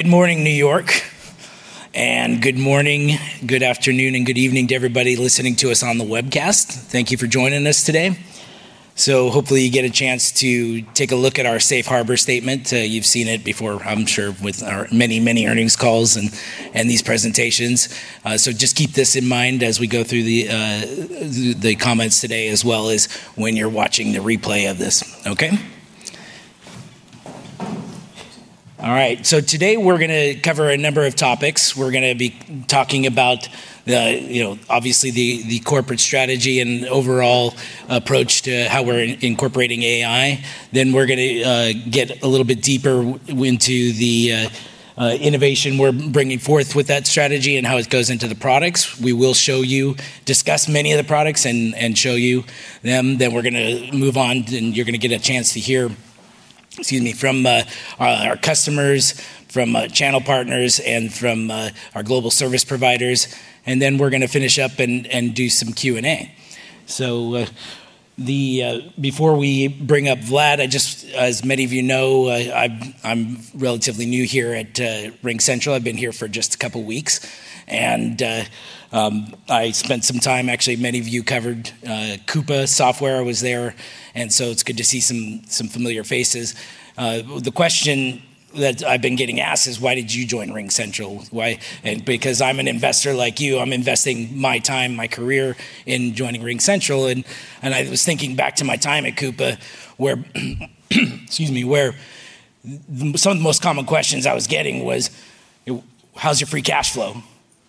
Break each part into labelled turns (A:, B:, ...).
A: Good morning, New York. And good morning, good afternoon and good evening to everybody listening to us on the webcast. Thank you for joining us today. Hopefully you get a chance to take a look at our Safe harbor statement. You've seen it before, I'm sure, with our many, many earnings calls and these presentations. Just keep this in mind as we go through the comments today, as well as when you're watching the replay of this. Okay. All right. Today we're going to cover a number of topics. We're going to be talking about, obviously, the corporate strategy and overall approach to how we're incorporating AI. Then we're going to get a little bit deeper into the innovation we're bringing forth with that strategy and how it goes into the products. We will show you, discuss many of the products and show you them. We're going to move on and you're going to get a chance to hear, excuse me, from our customers, from channel partners, and from our global service providers. We're gonna finish up and do some Q and A. Before we bring up Vlad, as many of you know, I'm relatively new here at RingCentral. I've been here for just a couple weeks and I spent some time, actually many of you covered Coupa Software. I was there, and it's good to see some familiar faces. The question that I've been getting asked is why did you join RingCentral? Because I'm an investor like you. I'm investing my time, my career in joining RingCentral. I was thinking back to my time at Coupa, where, excuse me, where some of the most common questions I was getting were how's your free cash flow,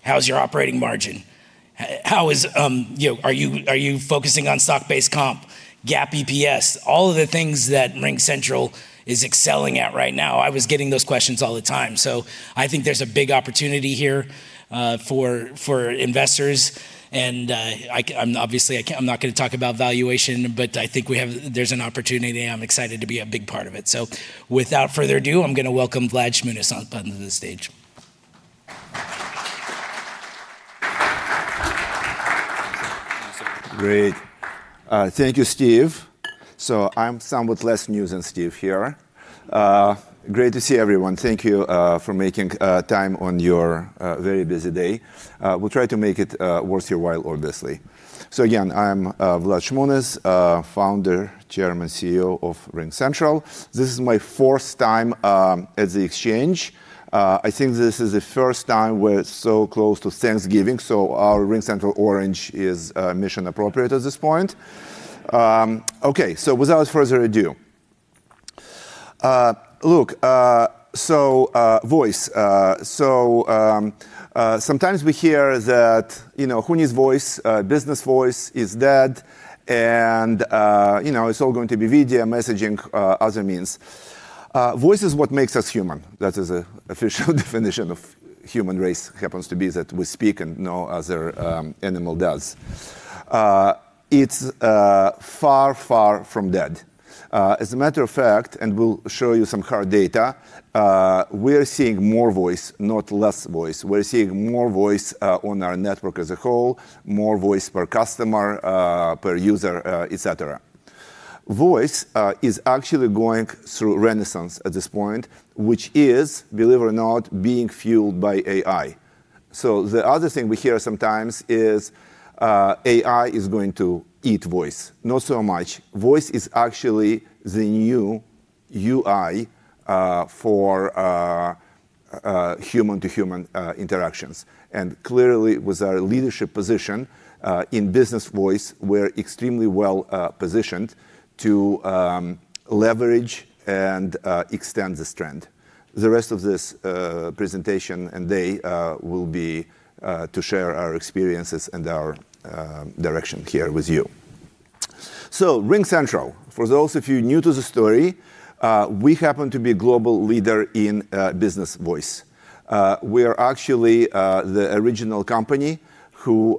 A: how's your operating margin, are you focusing on stock-based comp, GAAP EPS, all of the things that RingCentral is excelling at right now. I was getting those questions all the time. I think there's a big opportunity here for investors. Obviously, I'm not going to talk about valuation, but I think there's an opportunity. I'm excited to be a big part of it. Without further ado, I'm going to welcome Vlad Shmunis onto the stage.
B: Great. Thank you, Steve. I'm somewhat less new than Steve here. Great to see everyone. Thank you for making time on your very busy day. We'll try to make it worth your while, obviously. Again, I'm Vlad Shmunis, founder, chairman, CEO of RingCentral. This is my fourth time at the exchange. I think this is the first time we're so close to Thanksgiving, so our RingCentral orange is mission appropriate at this point. Okay. Without further ado. Look. Voice. Sometimes we hear that Huni's voice, business voice is dead and it's all going to be video messaging, other means. Voice is what makes us human. That is a official definition of human race happens to be that we speak and no other animal does. It's far, far from dead, as a matter of fact. We'll show you some hard data. We are seeing more voice, not less voice, we're seeing more voice on our network as a whole. More voice per customer, per user, et cetera. Voice is actually going through renaissance at this point, which is, believe it or not, being fueled by AI. The other thing we hear sometimes is AI is going to eat voice. Not so much. Voice is actually the new UI for human to human interactions. Clearly with our leadership position in business voice, we're extremely well positioned to leverage and extend the strength the rest of this presentation and they will be to share our experiences and our direction here with you. RingCentral, for those of you new to the story, we happen to be a global leader in business voice. We are actually the original company who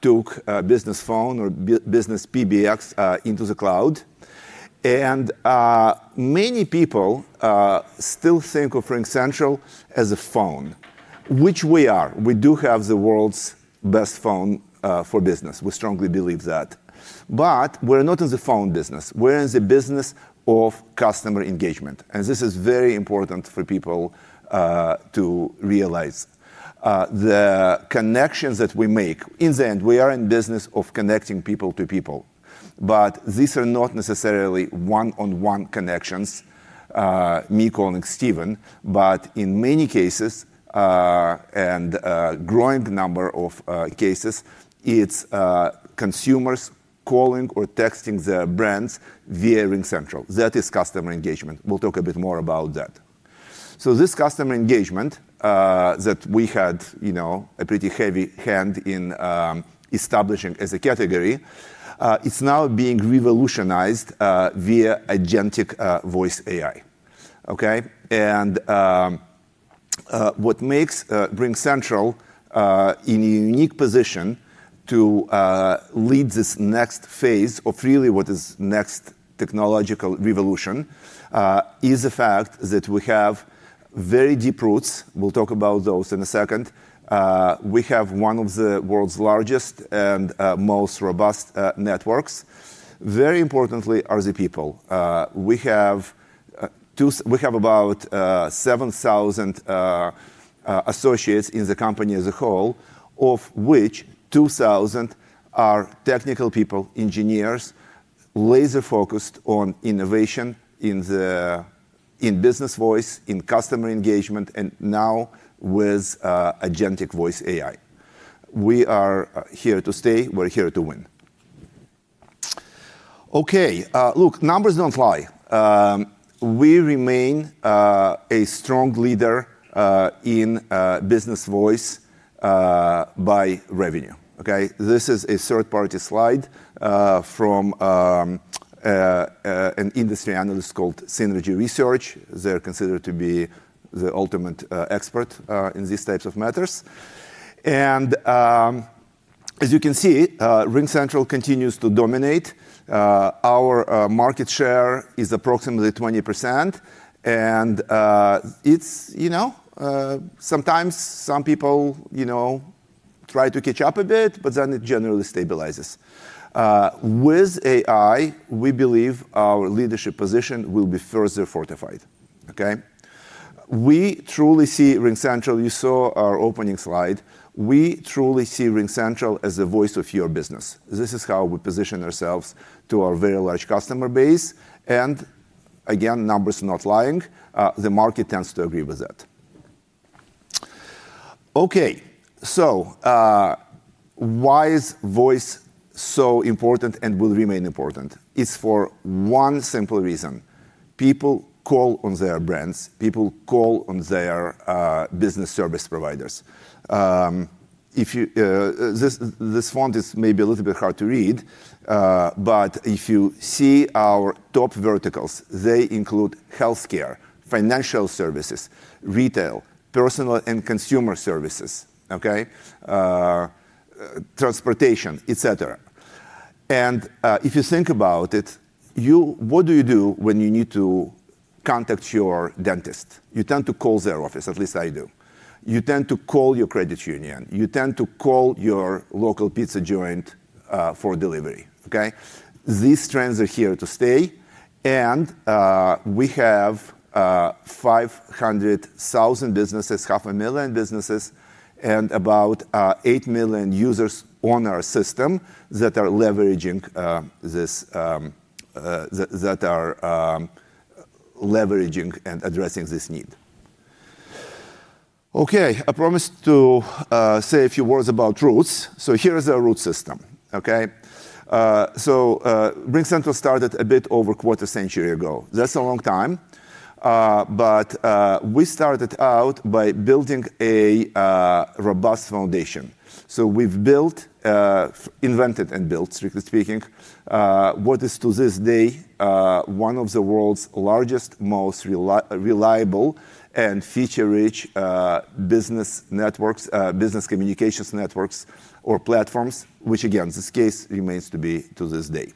B: took business phone or business PBX into the cloud. Many people still think of RingCentral as a phone, which we are. We do have the world's best phone for business. We strongly believe that. We're not in the phone business. We're in the business of customer engagement. This is very important for people to realize the connections that we make. In the end, we are in business of connecting people to people. These are not necessarily one on one connections. Me calling Stephen, but in many cases and growing number of cases, it's consumers calling or texting their brands via RingCentral. That is customer engagement. We'll talk a bit more about that. This customer engagement that we had a pretty heavy hand in establishing as a category is now being revolutionized via agentic voice AI. What makes RingCentral in a unique position to lead this next phase of really what is next technological revolution is the fact that we have very deep roots. We'll talk about those in a second. We have one of the world's largest and most robust networks. Very importantly are the people. We have about 7,000 associates in the company as a whole, of which 2,000 are technical people, engineers laser focused on innovation in business voice, in customer engagement. Now with agentic voice AI, we are here to stay. We're here to win. Okay, look, numbers don't lie. We remain a strong leader in business voice by revenue. Okay, this is a third party slide from an industry analyst called Synergy Research. They're considered to be the ultimate expert in these types of matters. As you can see, RingCentral continues to dominate. Our market share is approximately 20%. It's, you know, sometimes some people, you know, try to catch up a bit, but then it generally stabilizes. With AI, we believe our leadership position will be further fortified. We truly see RingCentral—you saw our opening slide—we truly see RingCentral as the voice of your business. This is how we position ourselves to our very large customer base. Again, numbers not lying. The market tends to agree with that. Okay, so why is Voice so important and will remain important is for one simple reason. People call on their brands, people call on their business service providers. This font is maybe a little bit hard to read, but if you see our top verticals, they include healthcare, financial services, retail, personal and consumer services. Okay. Transportation, et cetera. If you think about it, what do you do when you need to contact your dentist? You tend to call their office. At least I do. You tend to call your credit union, you tend to call your local pizza joint for delivery. These trends are here to stay. We have 500,000 businesses, half a million businesses and about 8 million users on our system that are leveraging this, that are leveraging and addressing this need. Okay, I promise to say a few words about roots. Here is our root system. Okay, so RingCentral started a bit over a quarter century ago. That's a long time. We started out by building a robust foundation. We've invented and built, strictly speaking, what is to this day one of the world's largest, most reliable, and feature-rich business communications networks or platforms, which in this case remains to be to this day.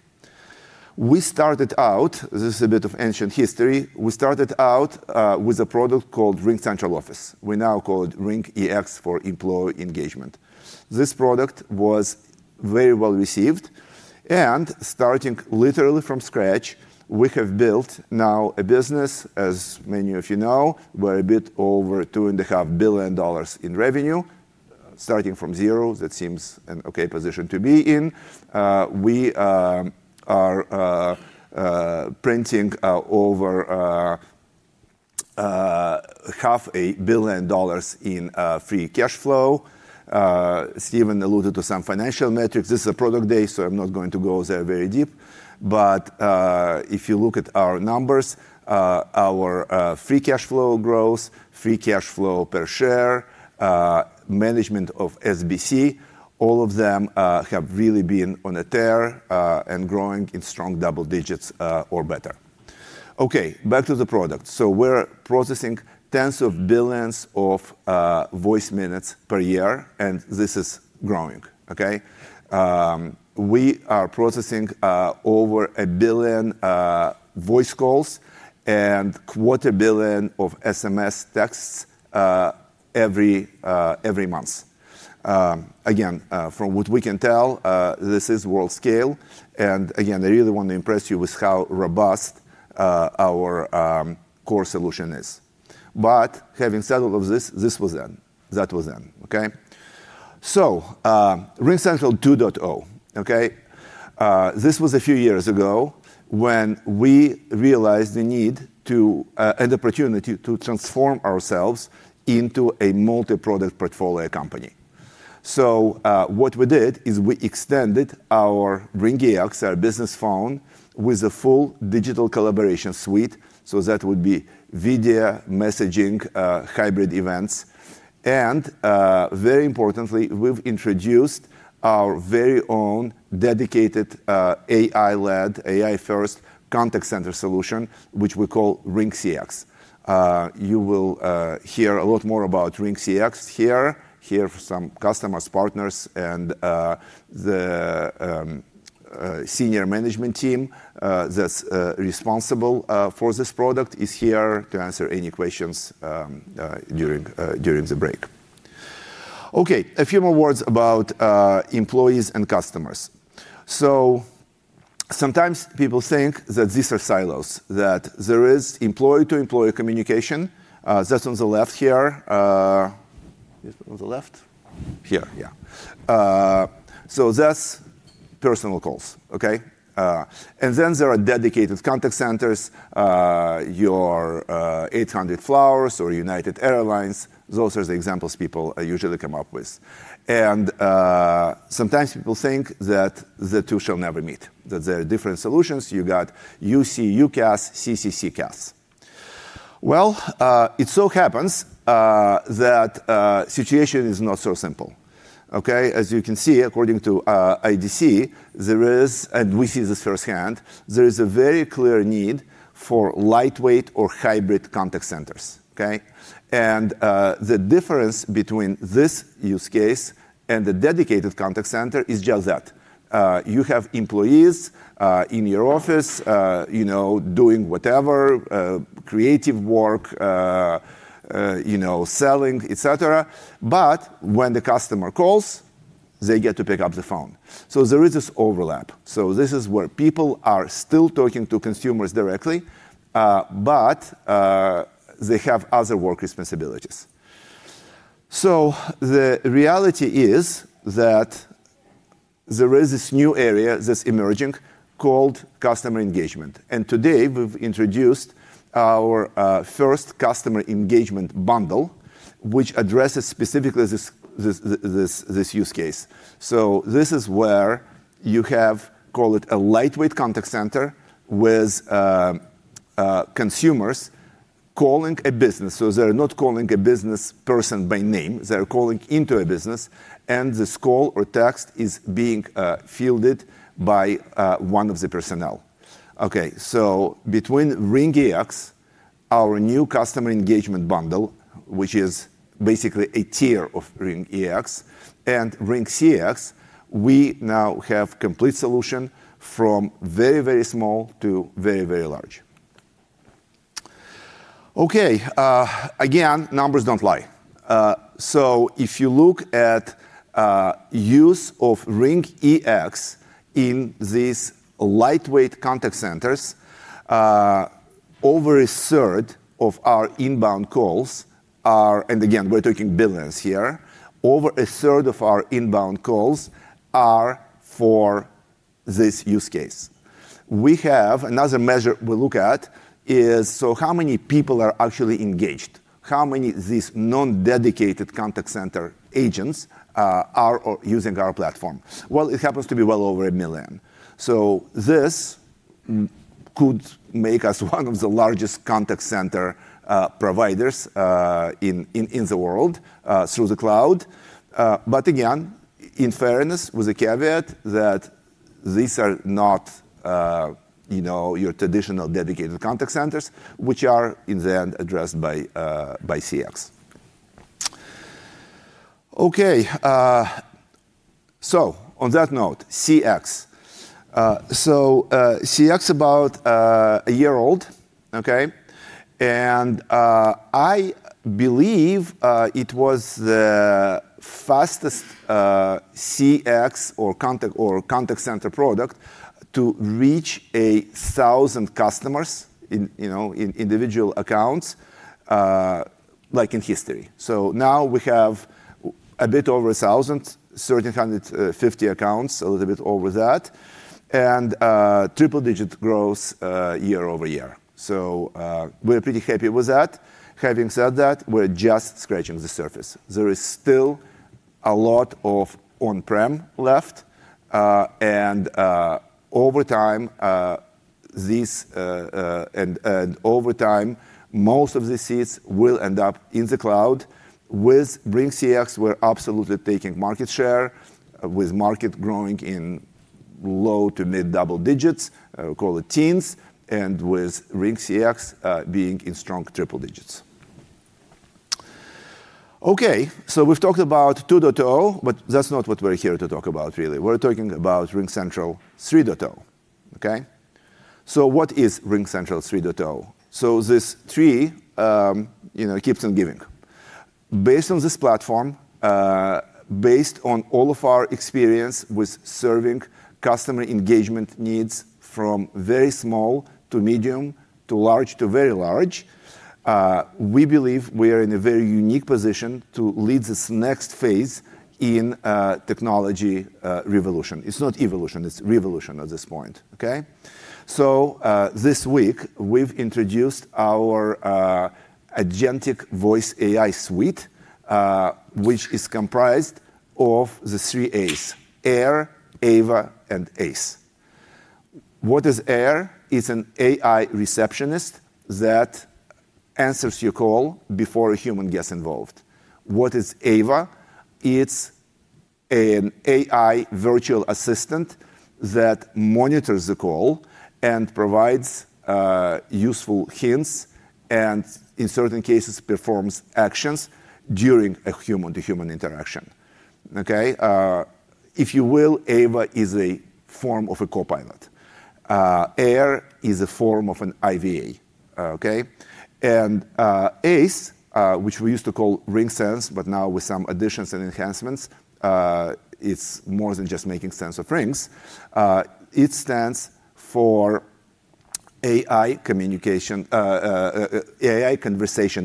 B: We started out, this is a bit of ancient history. We started out with a product called RingCentral Office. We now call it RingEx for employee engagement. This product was very well received and starting literally from scratch, we have built now a business, as many of you know, where a bit over $2.5 billion in revenue. Starting from zero, that seems an okay position to be in. We are printing over half a billion dollars in free cash flow. Stephen alluded to some financial metrics. This is a product day, so I'm not going to go there very deep. If you look at our numbers, our free cash flow growth, free cash flow per share, management of SBC, all of them have really been on a tear and growing in strong double digits or better. Okay, back to the product. We are processing tens of billions of voice minutes per year and this is growing. We are processing over a billion voice calls and a quarter billion of SMS texts every month. Again, from what we can tell, this is world scale. I really want to impress you with how robust our core solution is. Having said all of this, this was N. That was N. Okay, so RingCentral 2.0. This was a few years ago when we realized the need to, an opportunity to transform ourselves into a multi-product portfolio company. What we did is we extended our RingEx, our business phone, with a full digital collaboration suite. That would be video, messaging, hybrid events, and very importantly, we've introduced our very own dedicated AI-led, AI-first contact center solution, which we call RingCX. You will hear a lot more about RingCX here, hear some customers, partners, and the senior management team that's responsible for this product is here to answer any questions during the break. Okay, a few more words about employees and customers. Sometimes people think that these are silos, that there is employee-to-employee communication. That's on the left here. On the left here? Yeah. That's personal calls. Okay. There are dedicated contact centers, your 800 Flowers or United Airlines. Those are the examples people usually come up with. Sometimes people think that the two shall never meet, that there are different solutions. You got UC, UCaaS, CCaaS. It so happens that situation is not so simple. As you can see, according to IDC, there is, and we see this firsthand, a very clear need for lightweight or hybrid contact centers. The difference between this use case and the dedicated contact center is just that you have employees in your office doing whatever, creative work, selling, et cetera. When the customer calls, they get to pick up the phone. There is this overlap. This is where people are still talking to consumers directly, but they have other work responsibilities. The reality is that there is this new area that's emerging called customer engagement. Today we've introduced our first customer engagement bundle, which addresses specifically this use case. This is where you have, call it, a lightweight contact center with consumers calling a business. They're not calling a business person by name, they're calling into a business. This call or text is being fielded by one of the personnel. Okay, so between RingEx, our new customer engagement bundle, which is basically a tier of RingEx, and RingCX, we now have a complete solution from very, very small to very, very large. Okay. Again, numbers don't lie. If you look at use of RingEx in these lightweight contact centers, over a third of our inbound calls are, and again we're talking billions here, over a third of our inbound calls are for this use case. We have another measure we look at, which is how many people are actually engaged. How many of these non-dedicated contact center agents are using our platform? It happens to be well over a million. This could make us one of the largest contact center providers in the world through the cloud. Again, in fairness, with a caveat that these are not your traditional dedicated contact centers, which are in the end addressed by CX. On that note, CX, so CX about a year old, okay. I believe it was the fastest CX or contact center product to reach 1,000 customers in individual accounts like in history. Now we have a bit over 1,300 and 50 accounts, a little bit over that, and triple digit growth year-over-year. We're pretty happy with that. Having said that, we're just scratching the surface. There is still a lot of on prem left and over time, most of the seats will end up in the cloud. With RingCX we're absolutely taking market share. With market growing in low to mid double digits, call it teens, and with RingCX being in strong triple digits. We've talked about 2.0, but that's not what we're here to talk about really. We're talking about RingCentral 3.0. What is RingCentral 3.0? This tree keeps on giving based on this platform. Based on all of our experience with serving customer engagement needs from very small to medium to large to very large, we believe we are in a very unique position to lead this next phase in technology revolution. It's not evolution, it's revolution at this point. Okay, this week we've introduced our Agentic Voice AI suite, which is comprised of the three A's, AIR, AVA, and ACE. What is AIR? It's an AI receptionist that answers your call before a human gets involved. What is AVA? It's an AI virtual assistant that monitors the call and provides useful hints and in certain cases performs actions during a human to human interaction, if you will. AVA is a form of a copilot, AIR is a form of an IVA. Okay. Ace, which we used to call RingSense, but now with some additions and enhancements, it's more than just making sense of rings. It stands for AI Conversation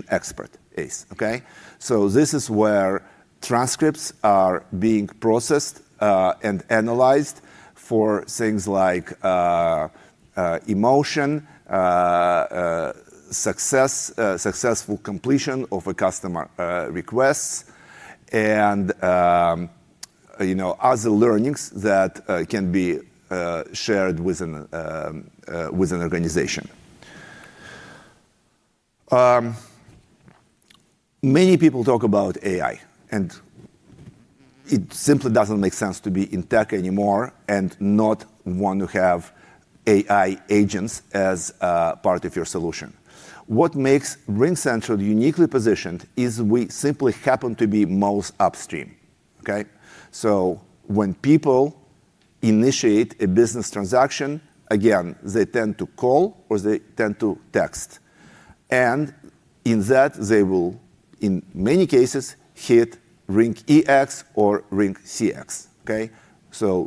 B: Expert, ACE. This is where transcripts are being processed and analyzed for things like emotion, successful completion of a customer request, and other learnings that can be shared with an organization. Many people talk about AI and it simply doesn't make sense to be in tech anymore and not want to have AI agents as part of your solution. What makes RingCentral uniquely positioned is we simply happen to be most upstream. When people initiate a business transaction, again they tend to call or they tend to text, and in that they will in many cases hit RingEx or RingCX.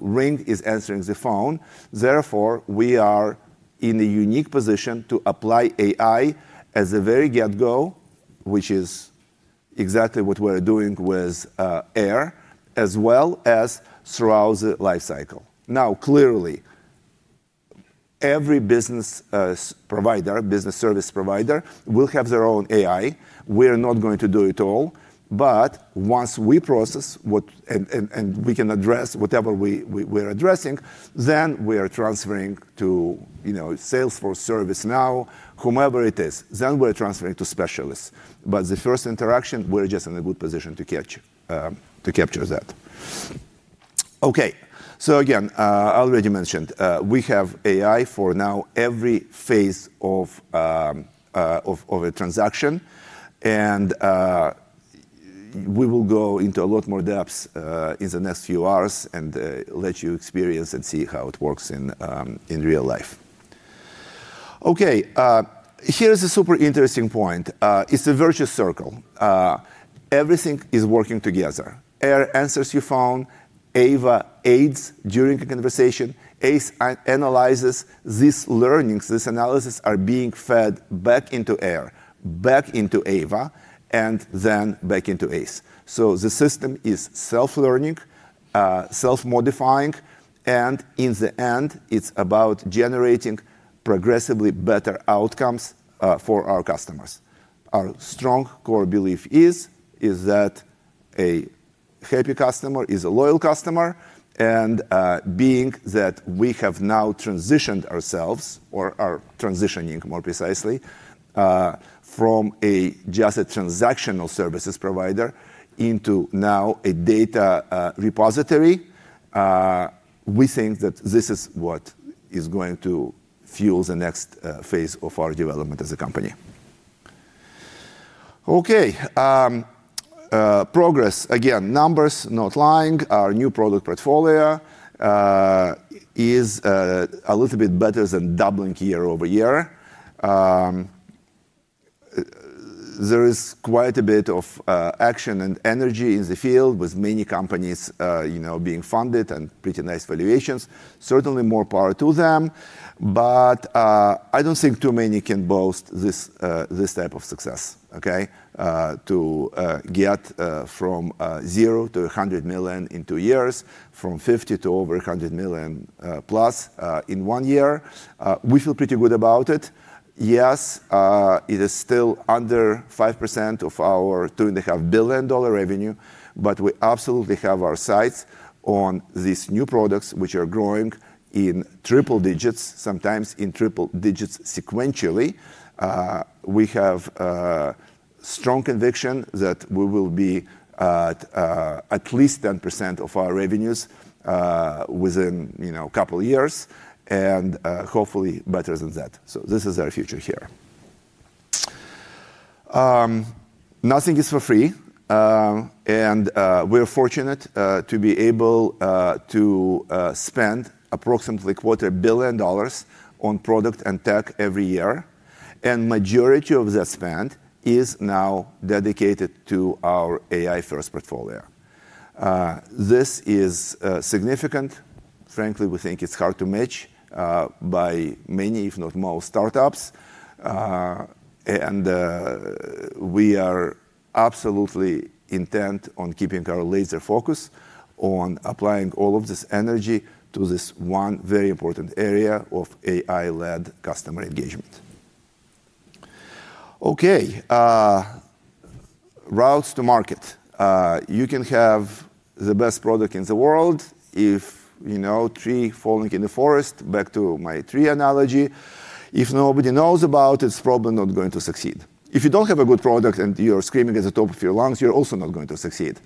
B: Ring is answering the phone. Therefore we are in a unique position to apply AI as a very get go, which is exactly what we're doing with AIR as well as throughout the life cycle. Now clearly every business service provider will have their own AI. We are not going to do it all. Once we process and we can address whatever we are addressing, we are transferring to Salesforce, ServiceNow, whomever it is, then we're transferring to specialists. The first interaction, we're just in a good position to capture that. Again, I already mentioned we have AI for now, every phase of a transaction and we will go into a lot more depth in the next few hours and let you experience and see how it works in real life. Okay, here's a super interesting point. It's a virtuous circle. Everything is working together. AIR answers your phone, AVA aids during a conversation. ACE analyzes these learnings. This analysis is being fed back into AIR, back into AVA, and then back into ACE. The system is self-learning, self-modifying, and in the end it is about generating progressively better outcomes for our customers. Our strong core belief is that a happy customer is a loyal customer. Being that we have now transitioned ourselves, or are transitioning more precisely, from just a transactional services provider into now a data repository, we think that this is what is going to fuel the next phase of our development as a company. Okay, progress. Again, numbers not lying. Our new product portfolio is a little bit better than doubling year-over-year. There is quite a bit of action and energy in the field with many companies being funded and pretty nice valuations, certainly more power to them. I do not think too many can boast this, this type of success. Okay, to get from $0 to $100 million in two years, from $50 million to over $100 million plus in one year, we feel pretty good about it. Yes, it is still under 5% of our $2.5 billion revenue. We absolutely have our sights on these new products which are growing in two triple digits, sometimes in triple digits sequentially. We have strong conviction that we will be at at least 10% of our revenues within a couple years and hopefully better than that. This is our future here. Nothing is for free and we're fortunate to be able to spend approximately $250 million on product and tech every year. The majority of that spend is now dedicated to our AI first portfolio. This is significant. Frankly, we think it's hard to match by many if not most startups. We are absolutely intent on keeping our laser focus on applying all of this energy to this one very important area of AI led customer engagement. Okay, routes to market. You can have the best product in the world. If you know, tree falling in the forest, back to my tree analogy, if nobody knows about it, it's probably not going to succeed. If you don't have a good product and you're screaming at the top of your lungs, you're also not going to succeed.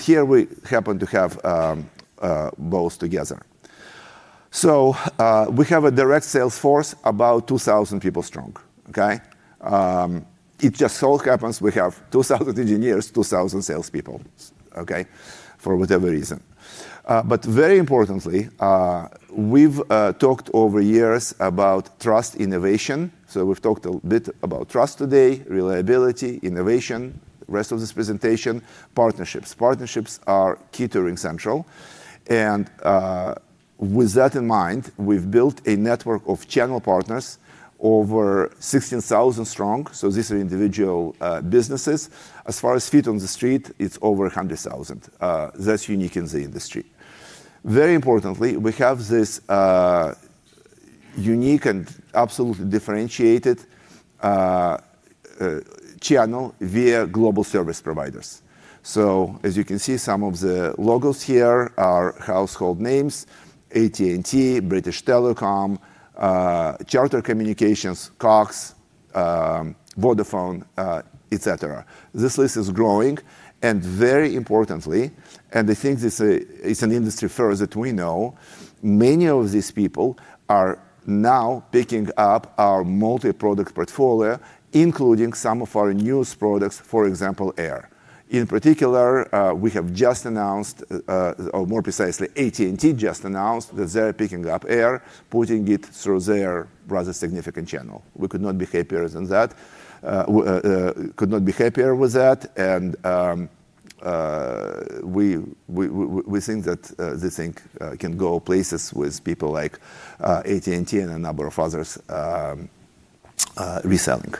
B: Here we happen to have both together. We have a direct sales force about 2,000 people strong. It just so happens we have 2,000 engineers, 2,000 salespeople for whatever reason. Very importantly, we've talked over years about trust, innovation. We've talked a bit about trust today, reliability, innovation, rest of this presentation, partnerships. Partnerships are catering central and with that in mind we've built a network of channel partners over 16,000 strong. These are individual businesses. As far as feet on the street, it's over 100,000, that's unique in the industry. Very importantly, we have this unique and absolutely differentiated channel via global service providers. As you can see, some of the logos here are household names. AT&T, British Telecom, Charter Communications, Cox Communications, Vodafone, et cetera. This list is growing. Very importantly, and I think it's an industry first that we know many of these people are now picking up our multi-product portfolio including some of our newest products. For example, AIR in particular we have just announced, or more precisely AT&T just announced that they're picking up AIR, putting it through their rather significant channel. We could not be happier with that. We think that this thing can go places with people like AT&T and a number of others reselling.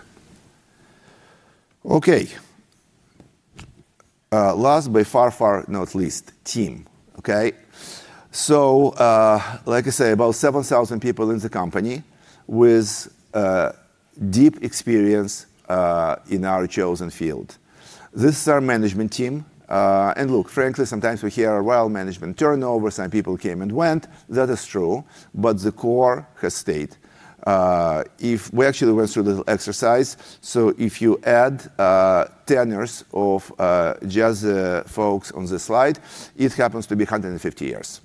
B: Last but far, far not least, team. Like I say, about 7,000 people in the company with deep experience in our chosen field. This is our management team. Frankly, sometimes we hear while management turnover, some people came and went, that is true, but the core has stayed. We actually went through a little exercise. If you add tenures of just folks on the slide, it happens to be 150 years.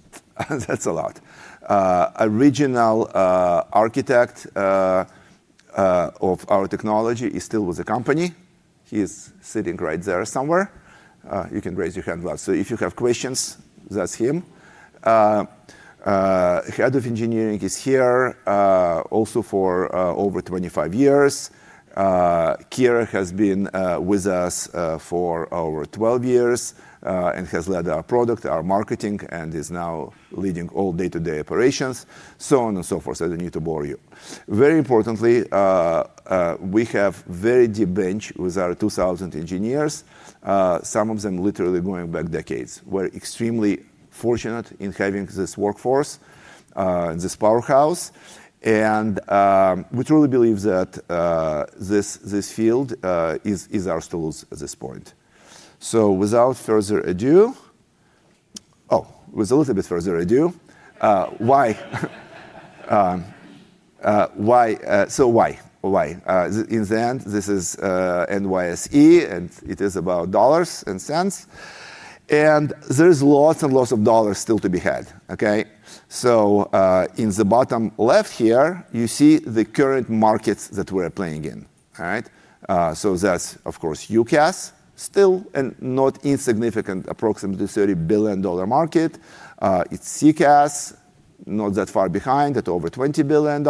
B: That's a lot. A regional architect of our technology is still with the company. He is sitting right there somewhere. You can raise your hand if you have questions. That's him. Head of Engineering is here also for over 25 years. Kira has been with us for over 12 years and has led our product, our marketing, and is now leading all day-to-day operations, so on and so forth. I don't need to bore you. Very importantly, we have a very deep bench with our 2,000 engineers, some of them literally going back decades. We're extremely fortunate in having this workforce, this powerhouse, and we truly believe that this field is our stools at this point. Without further ado. Oh, with a little bit further ado. Why in the end, this is NYSE and it is about dollars and cents and there's lots and lots of dollars still to be had. In the bottom left here you see the current markets that we're playing in. That's of course UCaaS still and not insignificant. Approximately $30 billion market. It's CCaaS not that far behind at over $20 billion.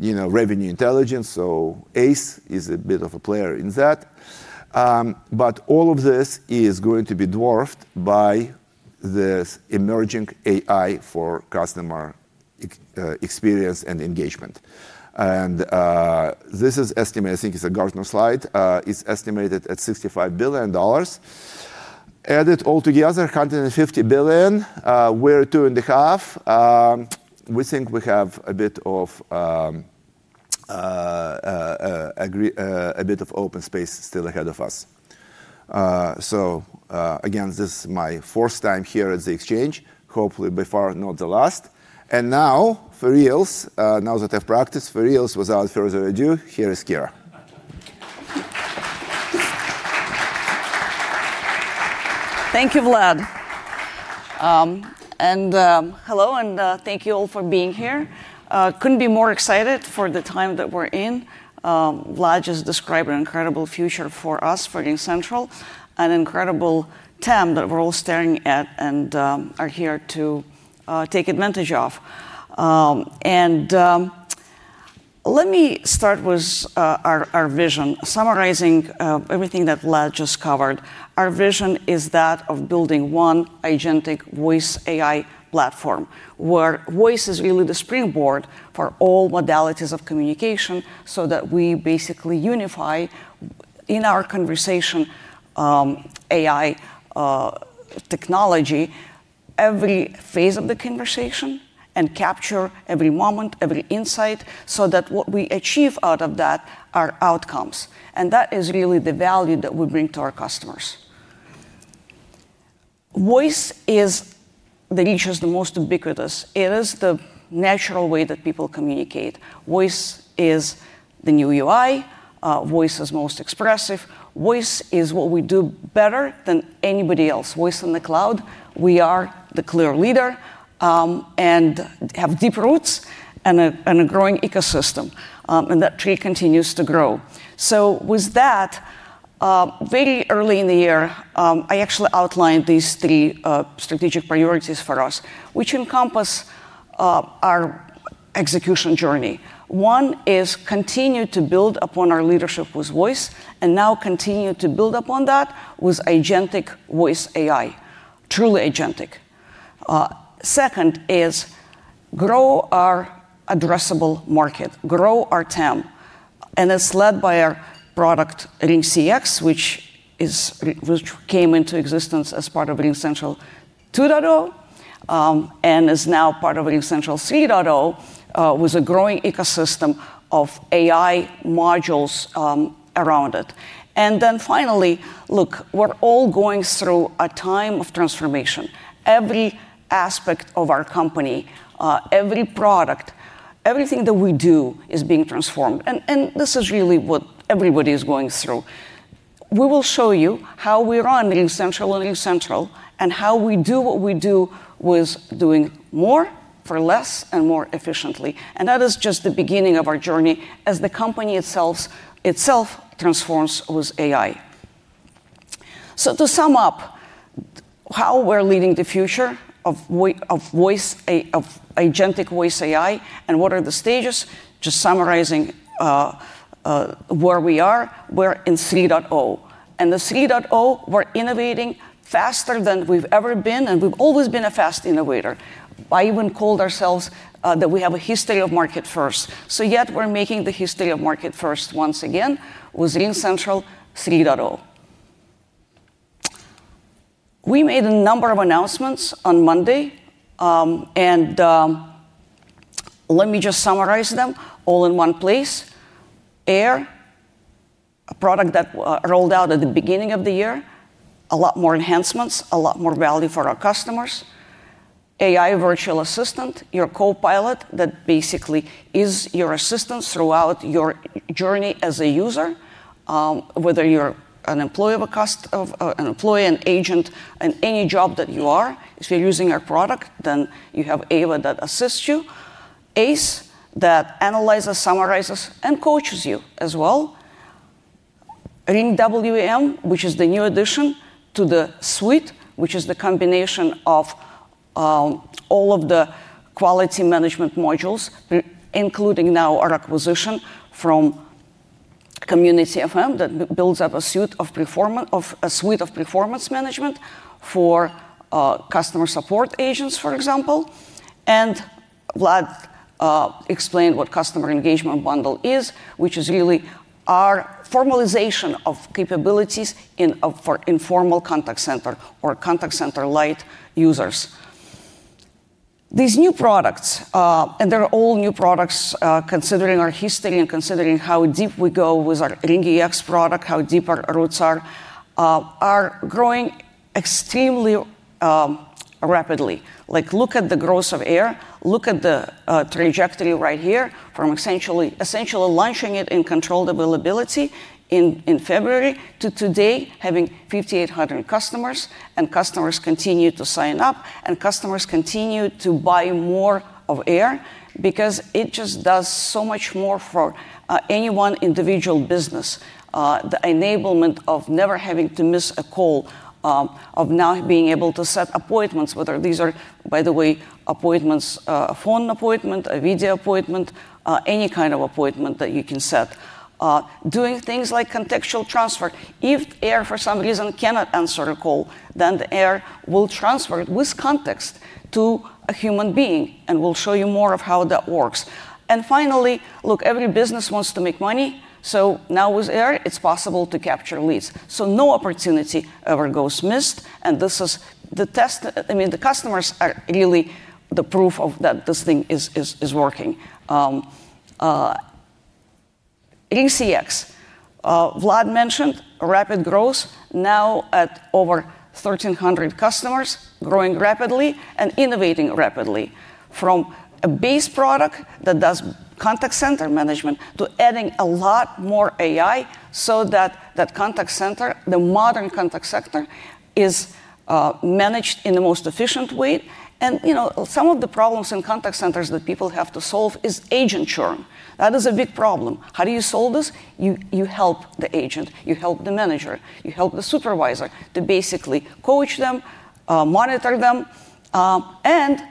B: You know, revenue intelligence. ACE is a bit of a player in that. All of this is going to be dwarfed by this emerging AI for customer experience and engagement. This is estimated, I think it's a Gartner slide. It's estimated at $65 billion, added all together, $150 billion. We're two and a half. We think we have a bit of open space still ahead of us. This is my fourth time here at the exchange, hopefully by far, not the last. And now for reals, now that I've practiced for reals, without further ado, here is Kira.
C: Thank you, Vlad, and hello and thank you all for being here. Couldn't be more excited for the time that we're in. Vlad just described an incredible future for us at RingCentral, an incredible TAM that we're all staring at and are here to take advantage of. Let me start with our vision. Summarizing everything that Vlad just covered. Our vision is that of building one agentic voice AI platform where voice is really the springboard for all modalities of communication so that we, we basically unify in our conversation AI technology every phase of the conversation and capture every moment, every insight so that what we achieve out of that are outcomes and that is really the value that we bring to our customers. Voice is the reach, is the most ubiquitous. It is the natural way that people communicate. Voice is the new UI. Voice is most expressive. Voice is what we do better than anybody else. Voice in the cloud. We are the clear leader and have deep roots and a growing ecosystem. That tree continues to grow. With that, very early in the year, I actually outlined these three strategic priorities for us. One, which encompass our execution journey. One is continue to build upon our leadership with Voice and now continue to build upon that with agentic Voice AI, truly agentic. Second is grow our addressable market, grow our TAM. It is led by our product RingCX, which came into existence as part of RingCentral 2.0 and is now part of Accentral 3.0 with a growing ecosystem of AI modules around it. Finally, look, we are all going through a time of transformation. Every aspect of our company, every product, everything that we do is being transformed. This is really what everybody is going through. We will show you how we run RingCentral and how we do what we do with doing more for less and more efficiently. That is just the beginning of our journey as the company itself transforms with AI. To sum up how we're leading the future of agentic Voice AI and what are the stages, just summarizing where we are, we're in 3.0 and the 3.0. We're innovating faster than we've ever been and we've always been a fast innovator. I even called ourselves that. We have a history of market first, so yet we're making the history of market first once again. With RingCentral 3.0, we made a number of announcements on Monday and let me just summarize them all in one place. AIR, a product that rolled out at the beginning of the year. A lot more enhancements, a lot more value for our customers. AI Virtual Assistant, your copilot, that basically is your assistant throughout your journey as a user, whether you're an employee of a customer, an employee, an agent in any job that you are. If you're using our product, then you have AVA that assists you, ACE that analyzes, summarizes and coaches you as well. RingWEM, which is the new addition to the suite, which is the combination of all of the quality management modules, including now, our acquisition from CommunityWFM that builds up a suite of performance management for customer support agents, for example. Vlad explained what Customer Engagement Bundle is, which is really our formalization of capabilities for informal contact center or Contact Center Light users. These new products, and they're all new products. Considering our history and considering how deep we go with our RingEx product, how deep our roots are, are growing extremely rapidly. Like, look at the growth of AIR. Look at the trajectory right here from essentially, essentially launching it in controlled availability in February to today having 5,800 customers. Customers continue to sign up and customers continue to buy more of AIR because it just does so much more for any one individual business. The enablement of never having to miss a call, of now being able to set appointments, whether these are, by the way, appointments, a phone appointment, a video appointment, any kind of appointment that you can set, doing things like contextual transfer. If AIR for some reason cannot answer a call, then the AIR will transfer it with context to a human being. We will show you more of how that works. Finally, look, every business wants to make money. Now with AIR, it's possible to capture leads, so no opportunity ever goes missed. This is the test. I mean, the customers are really the proof that this thing is working. RingCX, Vlad mentioned rapid growth, now at over 1,300 customers, growing rapidly and innovating rapidly from a base product that does contact center management to adding a lot more AI, so that contact center, the modern contact center, is managed in the most efficient way. You know, some of the problems in contact centers that people have to solve is agent churn. That is a big problem. How do you solve this? You help the agent, you help the manager, you help the supervisor to basically coach them, monitor them, and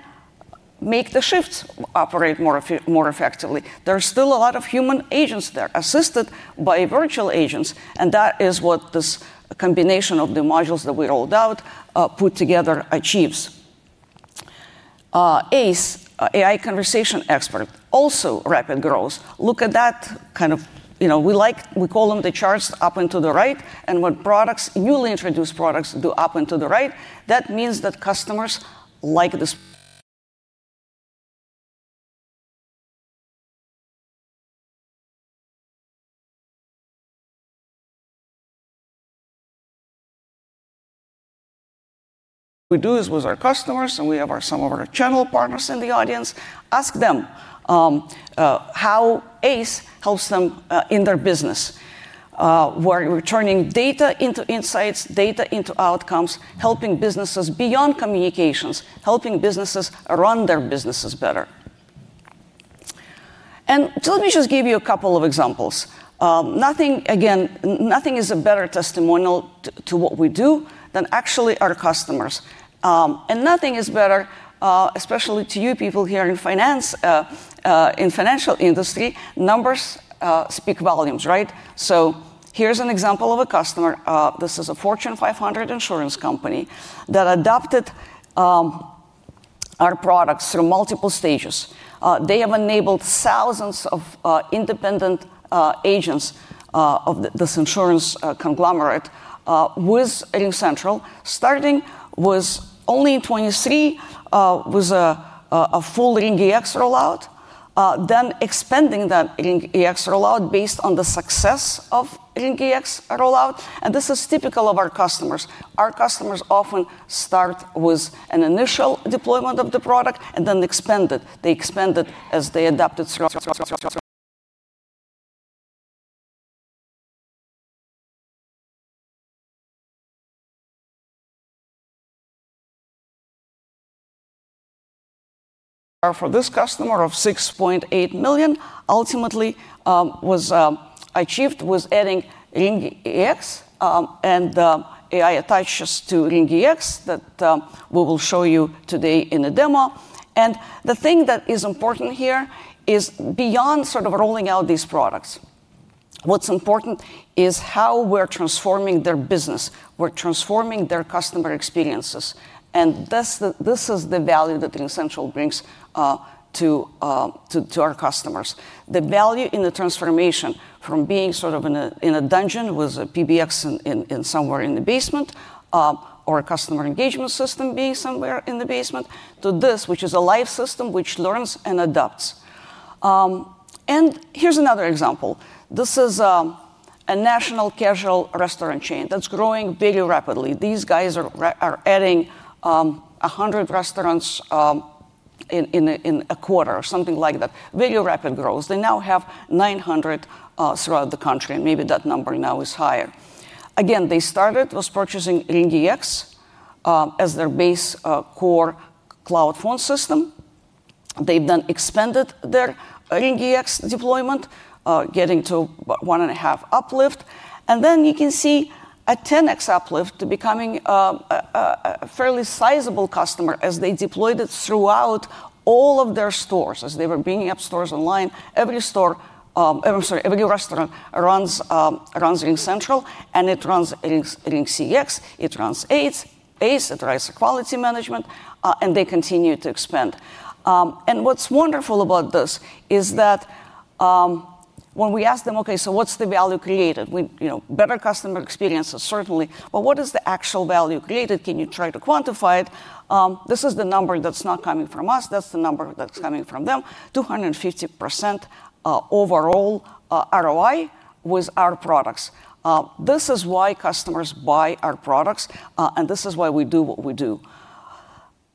C: make the shifts operate more effectively. There's still a lot of human agents there assisted by virtual agents. That is what this combination of the modules that we rolled out, put together, achieves. ACE, AI Conversation Expert, also rapid growth. Look at that kind of, you know, we like, we call them the charts up and to the right. When products, newly introduced products, do up and to the right, that means that customers like this. We do this with our customers. We have some of our channel partners in the audience, ask them how ACE helps them in their business. We are turning data into insights, data into outcomes, helping businesses beyond communications, helping businesses run their businesses better. Let me just give you a couple of examples. Nothing, again, nothing is a better testimonial to what we do than actually our customers. Nothing is better, especially to you people here in finance, in financial industry, numbers speak volumes, right? Here's an example of a customer. This is a Fortune 500 insurance company that adopted our products through multiple stages. They have enabled thousands of independent agents of this insurance conglomerate with RingCentral. Starting was only 23 was a full RingEx rollout, then expanding that rollout based on the success of RingEx rollout. This is typical of our customers. Our customers often start with an initial deployment of the product and then expand it. They expanded as they adapted for this customer of $6.8 million. Ultimately was achieved with adding RingEx and AI attaches to RingEx that we will show you today in a demo. The thing that is important here is beyond sort of rolling out these products, what's important is how we're transforming their business, we're transforming their customer experiences. This is the value that RingCentral brings to our customers. The value in the transformation from being sort of in a dungeon with a PBX somewhere in the basement or a customer engagement system being somewhere in the basement, to this, which is a live system which learns and adapts. Here's another example. This is a national casual restaurant chain that's growing very rapidly. These guys are adding 100 restaurants in a quarter or something like that. Very rapid growth. They now have 900 throughout the country and maybe that number now is higher again. They started with purchasing RingEx as their base core cloud phone system. They've then expanded their RingEx deployment, getting to one and a half uplift and then you can see a 10x uplift becoming a fairly sizable customer as they deployed it throughout all of their stores, as they were bringing up stores online. Every store, I'm sorry, every restaurant runs RingCentral and it runs RingCX. It runs 8 base, it rises, quality management. They continue to expand. What's wonderful about this is that when we ask them, okay, so what's the value created? You know, better customer experience certainly. What is the actual value created? Can you try to quantify it? This is the number that's not coming from us, that's the number that's coming from them. 250% overall ROI with our products. This is why customers buy our products and this is why we do what we do.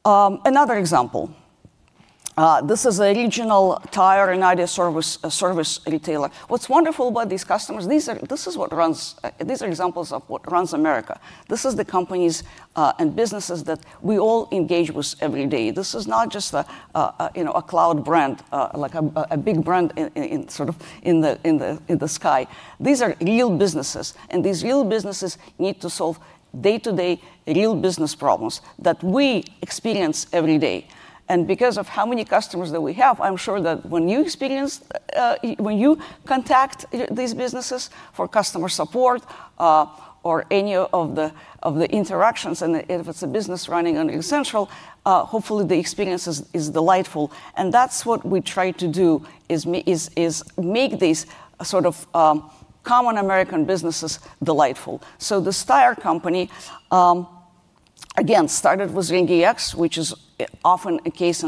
C: Another example, this is a regional tire United service retailer. What's wonderful about these customers, these are examples of what runs America. This is the companies and businesses that we all engage with every day. This is not just a cloud brand, like a big brand sort of in the sky. These are real businesses. These real businesses need to solve day to day real business problems that we experience every day. Because of how many customers that we have, I'm sure that when you contact these businesses for customer support or any of the interactions, if it's a business running on RingCentral, hopefully the experience is delightful. That's what we try to do, is make these common American businesses delightful. The Steyr company again started with RingEx, which is often a case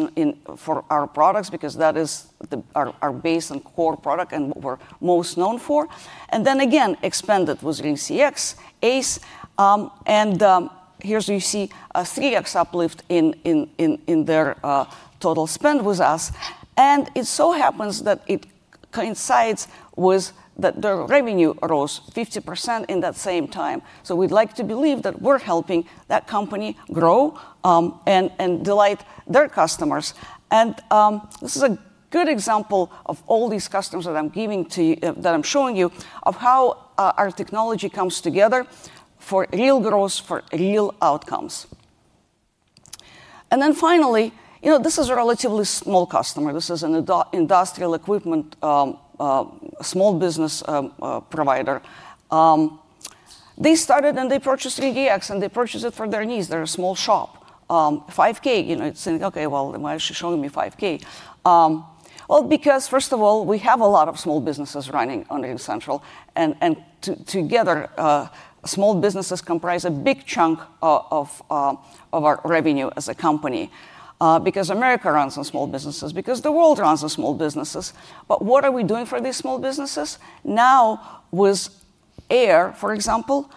C: for our products because that is our base and core product and what we're most known for. Then again expanded with RingCX ACE. Here you see a 3x uplift in their total spend with us. It so happens that it coincides with their revenue rose 50% in that same time. We'd like to believe that we're helping that company grow and delight their customers. This is a good example of all these customers that I'm giving to you, that I'm showing you of how our technology comes together for real growth, for real outcomes. Finally, this is a relatively small customer. This is an industrial equipment small business provider. They started and they purchased 3Dx and they purchased it for their needs. They're a small shop, 5K. You know, it's saying, okay, why is she showing me 5K? Because first of all, we have a lot of small businesses running on RingCentral and together small businesses comprise a big chunk of our revenue as a company. Because America runs on small businesses. Because the world runs on small, small businesses. But what are we doing for these small businesses now? With AIR, for example,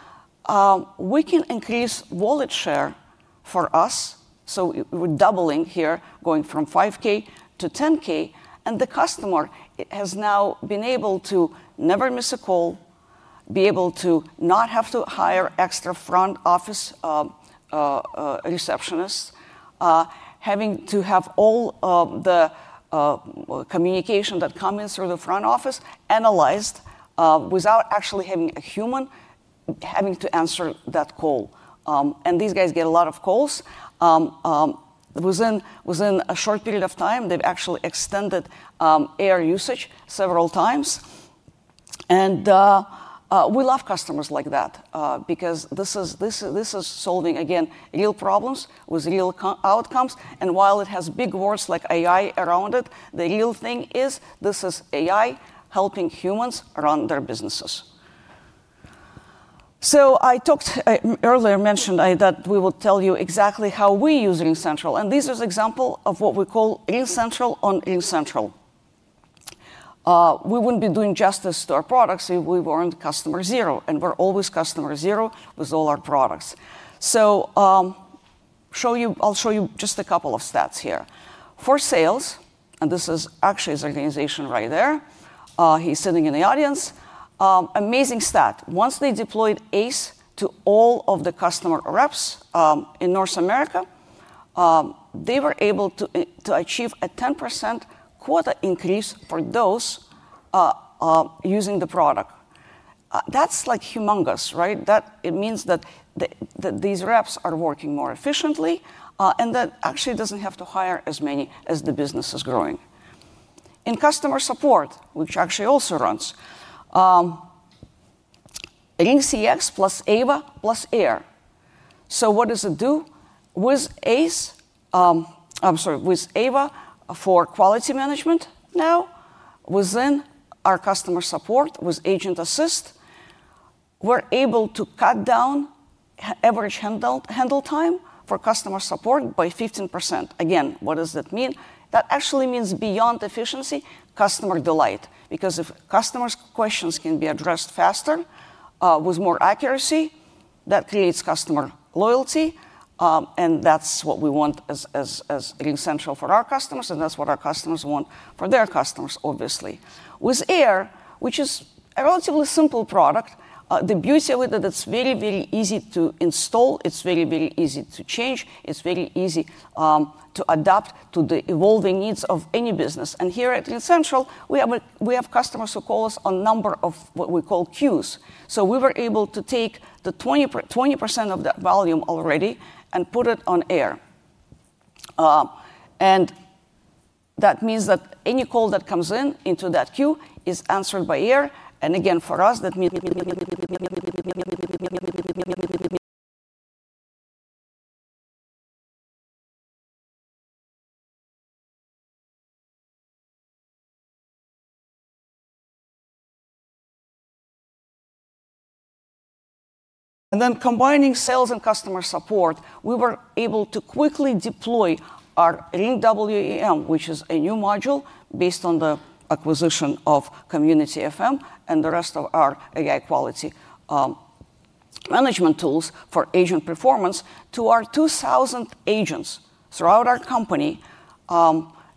C: we can increase wallet share for us. So we're doubling here, going from 5K to 10K. And the customer has now been able to never miss a call, be able to not have to hire extra front office receptionists, having to have all the communication that come in through the front office analyzed without actually having a human having to answer that call. These guys get a lot of calls within a short period of time. They've actually extended AIR usage several times. We love customers like that because this is solving, again, real problems with real outcomes. While it has big words like AI around it, the real thing is this is AI helping humans run their businesses. I earlier mentioned that we will tell you exactly how we use RingCentral, and these are examples of what we call incentral. On incentral, we wouldn't be doing justice to our products if we weren't customer zero. We're always customer zero with all our products. I'll show you just a couple of stats here for sales. This is actually his organization right there. He's sitting in the audience. Amazing stat. Once they deployed ACE to all of the customer reps in North America. They were able to achieve a 10% quota increase for those using the product. That's humongous. It means that these reps are working more efficiently and that actually doesn't have to hire as many as the business is growing in customer support, which actually also runs RingCX plus AVA plus AIR. What does it do with ACE? I'm sorry, with AVA for quality management now within our customer support with Agent Assist, we're able to cut down average handle time for customer support by 15% again. What does that mean? That actually means beyond efficiency, customer delight. Because if customers' questions can be addressed faster with more accuracy, that creates customer loyalty. That is what we want as RingCentral for our customers. That is what our customers want for their customers. Obviously with AIR, which is a relatively simple product, the beauty of it, it's very, very easy to install, it's very, very easy to change, it's very easy to adapt to the evolving needs of any business. Here at RingCentral we have customers who call us on a number of what we call queues. We were able to take 20% of that volume already and put it on AIR. That means that any call that comes in into that queue is answered by AIR. Again, for us that means. And. Combining sales and customer support, we were able to quickly deploy our RingWEM, which is a new module based on the acquisition of CommunityWFM and the rest of our AI quality management tools for agent performance to our 2,000 agents throughout our company.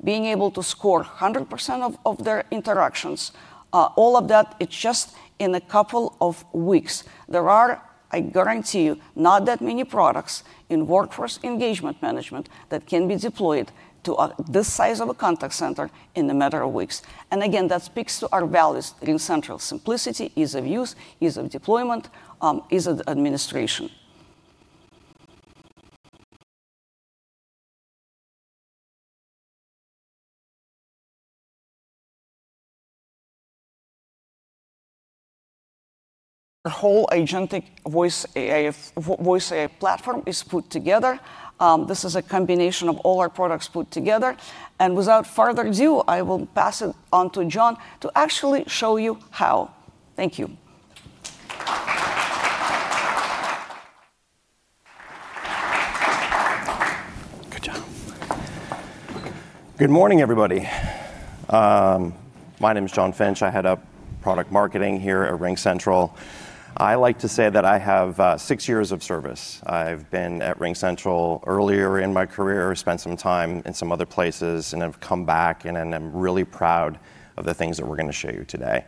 C: Being able to score 100% of their interactions, all of that, it's just in a couple of weeks. I guarantee you, there are not that many products in workforce engagement management that can be deployed to this size of a contact center in a matter of weeks. That speaks to our values: central simplicity, ease of use, ease of deployment, ease of administration. The whole agentic voice AI platform is put together. This is a combination of all our products put together. Without further ado, I will pass it on to John to actually show you how. Thank you.
D: Good job. Good morning everybody. My name is John Finch, I head up product marketing here at RingCentral. I like to say that I have six years of service. I've been at RingCentral earlier in my career, spent some time in some other places and have come back and I'm really proud of the things that we're going to show you today.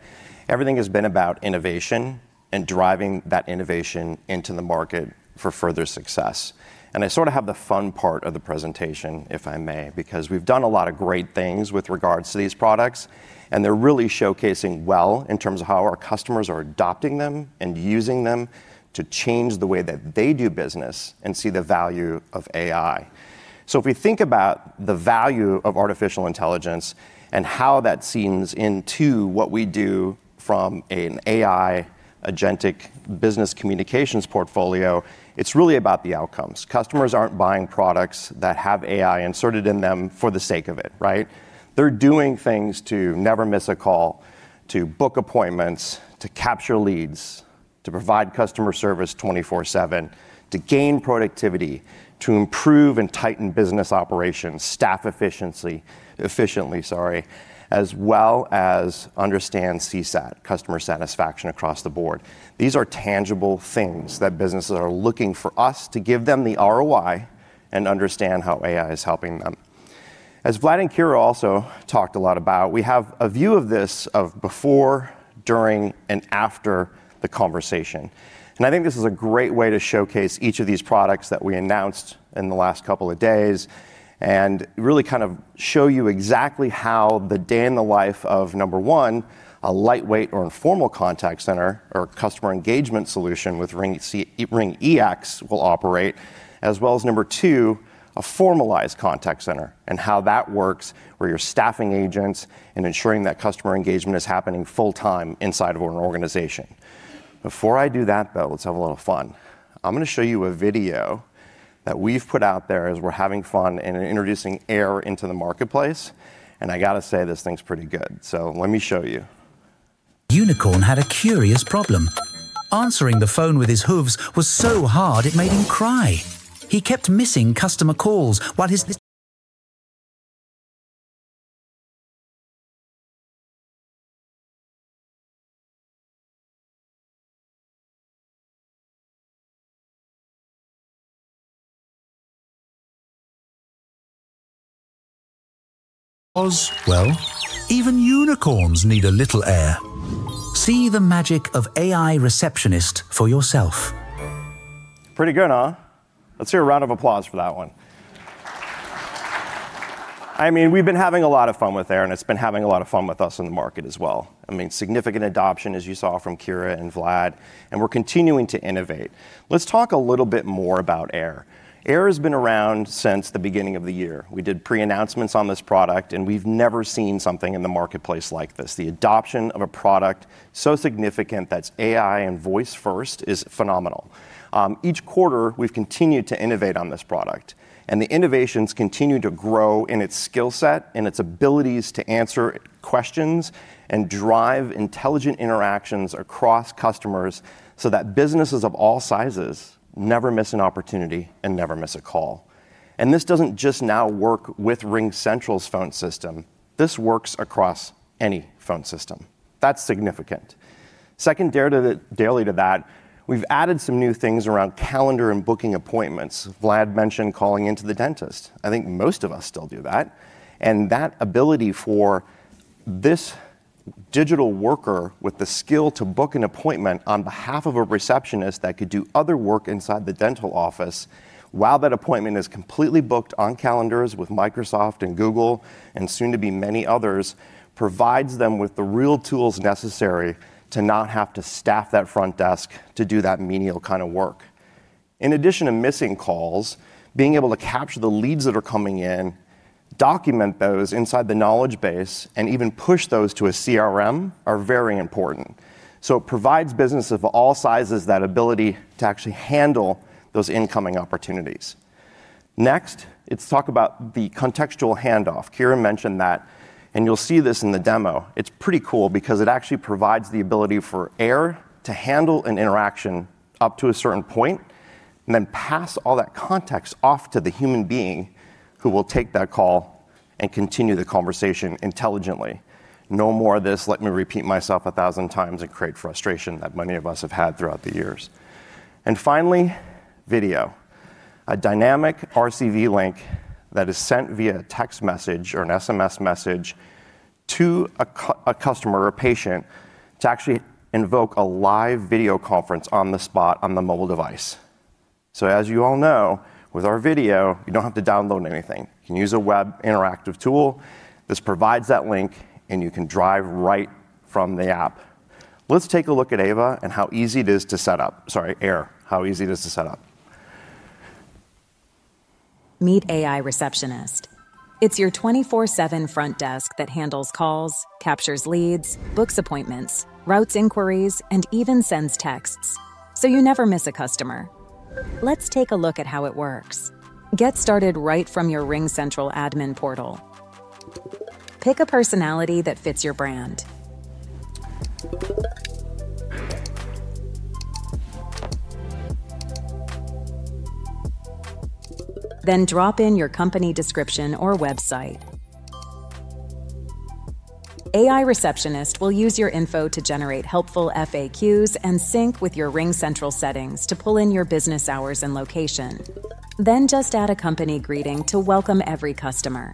D: Everything has been about innovation and driving that innovation into the market for further success. I sort of have the fun part of the presentation if I may, because we've done a lot of great things with regards to these products and they're really showcasing well in terms of how our customers are adopting them and using them to change the way that they do business and see the value of AI. If we think about the value of artificial intelligence and how that seams into what we do from an AI agentic business communications portfolio, it's really about the outcomes. Customers aren't buying products that have AI inserted in them for the sake of it. Right. They're doing things to never miss a call, to book appointments, to capture leads, to provide customer service 24/7, to gain productivity, to improve and tighten business operations, staff efficiency efficiently, sorry, as well as understand CSAT, customer satisfaction, across the board. These are tangible things that businesses are looking for us to give them the ROI and understand how AI is helping them. As Vlad and Kira also talked a lot about, we have a view of this of before, during, and after the conversation. I think this is a great way to showcase each of these products that we announced in the last couple of days and really kind of show you exactly how the day in the life of, number one, a lightweight or informal contact center or customer engagement solution with RingEx will operate as well as, number two, a formalized contact center and how that works where you're staffing agents and ensuring that customer engagement is happening full time inside of an organization. Before I do that though, let's have a little fun. I'm going to show you a video that we've put out there as we're having fun and introducing AIR into the marketplace. I gotta say, this thing's pretty good. Let me show you.
E: Unicorn had a curious problem. Answering the phone with his hooves was. Simply so hard it made him cry. He kept missing customer calls while his. Was. Even unicorns need a little air. See the magic of AIR AI Receptionist for yourself.
D: Pretty good, huh? Let's hear a round of applause for that one. I mean, we've been having a lot of fun with AIR. It's been having a lot of fun with us in the market as well. I mean, significant adoption as you saw from Kira and Vlad, and we're continuing to innovate. Let's talk a little bit more about AIR. AIR has been around since the beginning of the year. We did pre-announcements on this product and we've never seen something in the marketplace, the adoption of a product so significant that's AI and voice first is phenomenal. Each quarter we've continued to innovate on this product, and the innovations continue to grow in its skill set and its abilities to answer questions and drive intelligent interactions across customers so that businesses of all sizes never miss an opportunity and never miss a call. This does not just now work with RingCentral's phone system. This works across any phone system. That is significant. Second, related to that, we've added some new things around calendar and booking appointments. Vlad mentioned calling into the dentist. I think most of us still do that. That ability for this digital worker with the skill to book an appointment on behalf of a receptionist that could do other work inside the dental office while that appointment is completely booked on calendars with Microsoft and Google and soon to be many others provides them with the real tools necessary to not have to staff that front desk to do that menial kind of work. In addition to missing calls, being able to capture the leads that are coming in, document those inside the knowledge base and even push those to a CRM are very important. It provides business of all sizes that ability to actually handle those incoming opportunities. Next, let's talk about the contextual handoff. Kiran mentioned that and you'll see this in the demo. It's pretty cool because it actually provides the ability for AIR to handle an interaction up to a certain point and then pass all that context off to the human being who will take that call and continue the conversation intelligently. No more of this, let me repeat myself a thousand times and create for a that many of us have had throughout the years. Finally, video, a dynamic RCV link that is sent via a text message or an SMS message to a customer or patient to actually invoke a live video conference on the spot on the mobile device. As you all know, with our video you don't have to download anything. You can use a web interactive tool. This provides that link and you can drive right from the app. Let's take a look at Ava and how easy it is to set up. Sorry, AIR, how easy it is to set up.
E: Meet AI Receptionist. It's your 24/7 front desk that handles calls, captures leads, books appointments, routes inquiries, and even sends texts so you never miss a customer. Let's take a look at how it works. Get started right from your RingCentral Admin portal. Pick a personality that fits your brand, then drop in your company description or website. AI Receptionist will use your info to generate helpful FAQs and sync with your RingCentral settings to pull in your business, business hours, and location. Just add a company greeting to welcome every customer.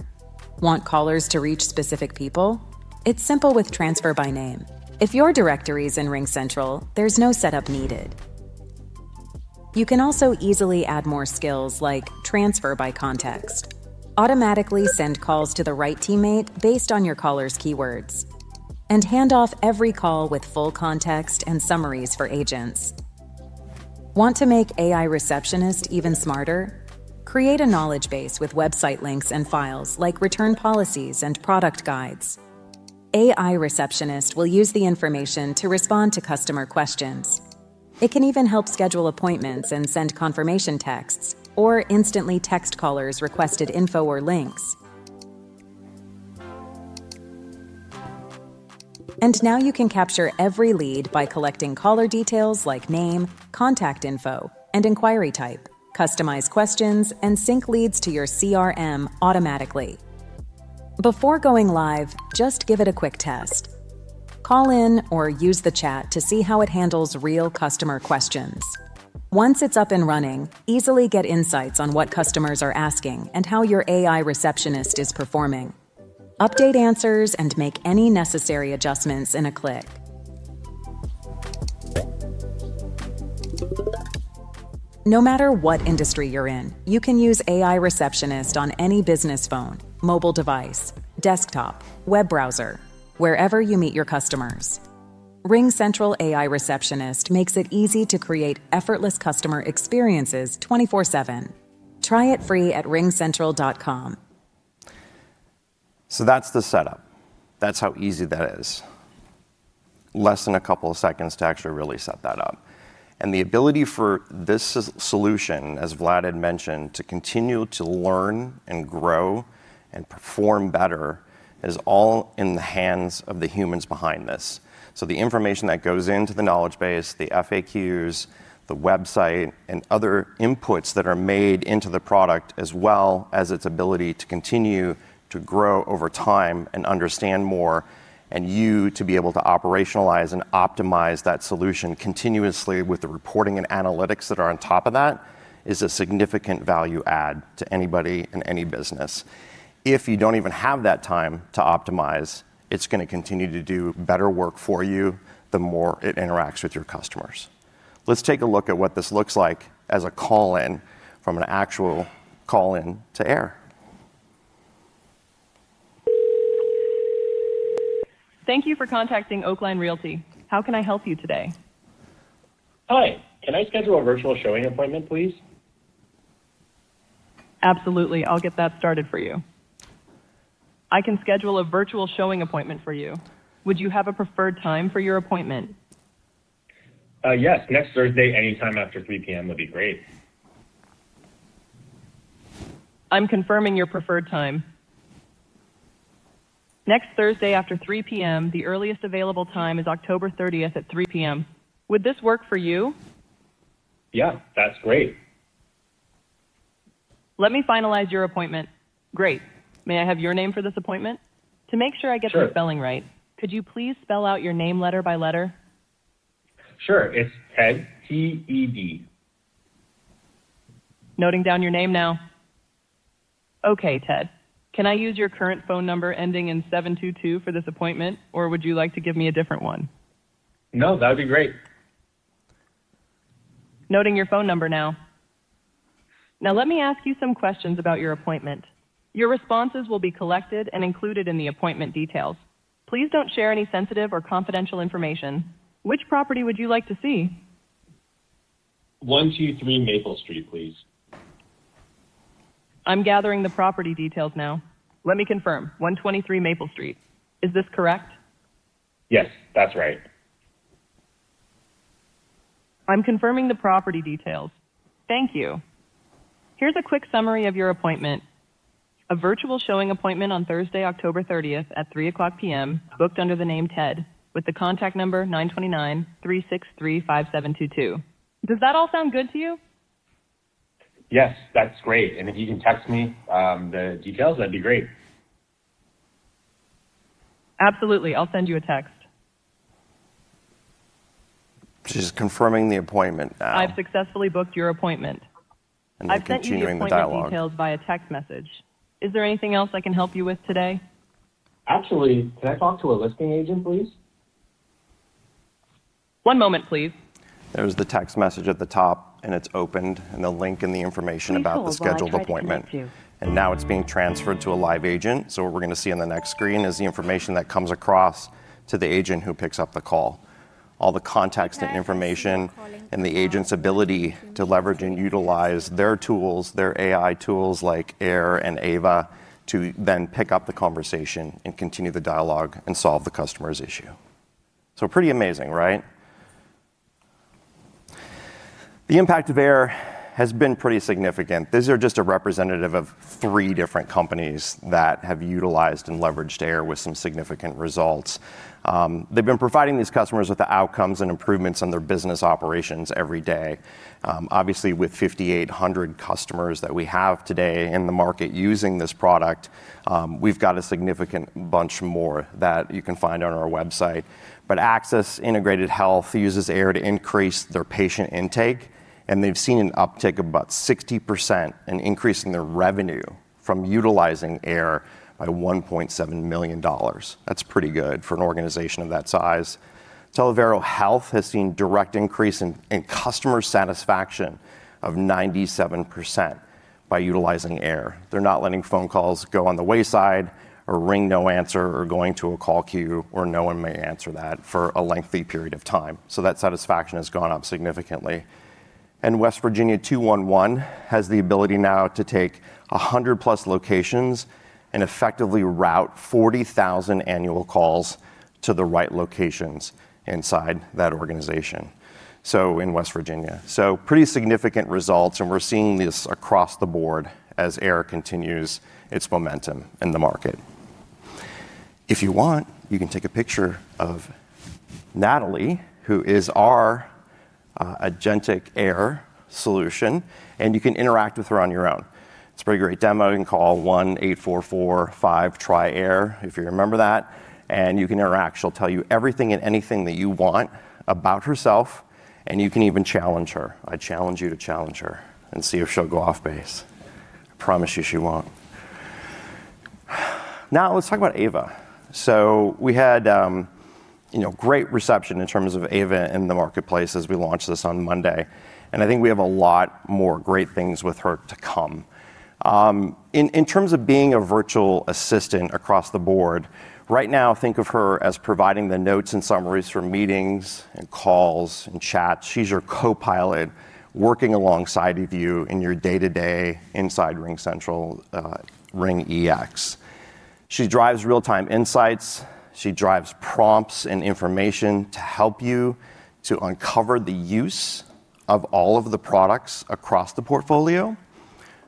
E: Want callers to reach specific people? It's simple with transfer by name. If your directory's in RingCentral, there's no setup needed. You can also easily add more skills like transfer by context, automatically send calls to the right teammate based on your caller's keywords, and hand off every call with full context and summaries. For agents want to make AI Receptionist even smarter? Create a knowledge base with website links and files like return policies and product guides. AI Receptionist will use the information to respond to customer questions. It can even help schedule appointments and send confirmation texts or instantly text callers requested info or links. Now you can capture every lead by collecting caller details like name, contact info, and inquiry type. Customize questions and sync leads to your CRM automatically before going live. Just give it a quick test call in or use the chat to see how it handles real customer questions. Once it's up and running, easily get insights on what customers are asking and how your AI Receptionist is performing. Update answers and make any necessary adjustments in a click. No matter what industry you're in, you can use AI receptionist on any business phone, mobile device, desktop, web browser, wherever you meet your customers. RingCentral AI receptionist makes it easy to create effortless customer experiences 24/7. Try it free at ringcentral.com.
D: That's the setup. That's how easy that is. Less than a couple of seconds to actually really set that up. The ability for this solution, as Vlad had mentioned, to continue to learn and grow and perform better is all in the hands of the humans behind this. The information that goes into the knowledge base, the FAQs, the website, and other inputs that are made into the product, as well as its ability to continue to grow over time and understand more and you to be able to operationalize and optimize that solution continuously with the reporting and analytics that are on top of that, is a significant value add to anybody in any business. If you don't even have that time to optimize, it's going to continue to do better work for you the more it interacts with your customers. Let's take a look at what this looks like as a call in from an actual call in to AIR.
E: Thank you for contacting Oak Line Realty. How can I help you today? Hi, can I schedule a virtual showing appointment, please? Absolutely. I'll get that started for you. I can schedule a virtual showing appointment for you. Would you have a preferred time for your appointment? Yes, next Thursday. Anytime after 3:00 P.M. would be great. I'm confirming your preferred time. Next Thursday after 3:00 P.M., the earliest available time is October 30 at 3:00 P.M. Would this work for you? Yeah, that's great. Let me finalize your appointment. Great. May I have your name for this appointment? To make sure I get the spelling right, could you please spell out your name letter by letter? Sure. It's Ted, T-E-D. Noting down your name now. Okay, Ted, can I use your current phone number ending in 722 for this appointment or would you like to give me a different one? No, that would be great. Noting your phone number now. Now let me ask you some questions about your appointment. Your responses will be collected and included in the appointment details. Please do not share any sensitive or confidential information. Which property would you like to see? 123 Maple Street, please. I'm gathering the property details now. Let me confirm. 123 Maple Street. Is this correct? Yes, that's right. I'm confirming the property details. Thank you. Here's a quick summary of your appointment. A virtual showing appointment on Thursday, October 30th at 3:00 P.M. booked under the name Ted with the contact number 929-363-5722. Does that all sound good to you? Yes, that's great. If you can text me the. Details, that'd be great. Absolutely. I'll send you a text.
D: She's confirming the appointment now.
E: I've successfully booked your appointment. I've sent you the details via text message. Is there anything else I can help you with today? Actually, can I talk to a listing agent, please? One moment, please.
D: There's the text message at the top and it's opened and the link and the information about the scheduled appointment. Now it's being transferred to a live agent. What we're going to see on the next screen is the information that comes across to the agent who picks up the call, all the contacts and information, and the agent's ability to leverage and utilize their tools, their AI tools like AIR and AVA, to then pick up the conversation and continue the dialogue and solve the customer's issue. Pretty amazing, right? The impact of AIR has been pretty significant. These are just a representative of three different companies that have utilized and leveraged AIR with some significant results. They've been providing these customers with the outcomes and improvements on their business operations every day. Obviously, with 5,800 customers that we have today in the market using this product, we've got a significant bunch more that you can find on our website. But Axis Integrated Health uses AIR to increase their patient intake and they've seen an uptick of about 60% and increase in their revenue from utilizing AIR by $1.7 million. That's pretty good for an organization of that size. Televaro Health has seen direct increase in customer satisfaction of 97% by utilizing AIR. They're not letting phone calls go on the wayside or ring no answer or going to a call queue or no one may answer that for a lengthy period of time. That satisfaction has gone up significantly. West Virginia 211 has the ability now to take 100+ locations and effectively route 40,000 annual calls to the right locations inside that organization. In West Virginia. Pretty significant results. We're seeing this across the board as AIR continues its momentum in the market. If you want, you can take a picture of Natalie who is our agentic AIR solution and you can interact with her on your own. It's a pretty great demo. You can call 1-844-5-TRI AIR if you remember that and you can interact. She'll tell you everything and anything that you want about herself and you can even challenge her. I challenge you to challenge her and see if she'll go off base. I promise you she won't. Now let's talk about Ava. We had great reception in terms of Ava in the marketplace as we launched this on Monday. I think we have a lot more great things with her to come in terms of being a virtual assistant across the board right now. Think of her as providing the notes and summaries for meetings and calls and chats. She's your copilot working alongside of you in your day to day inside RingCentral RingEx. She drives real time insights, she drives prompts and information to help you to uncover the use of all of the products across the portfolio.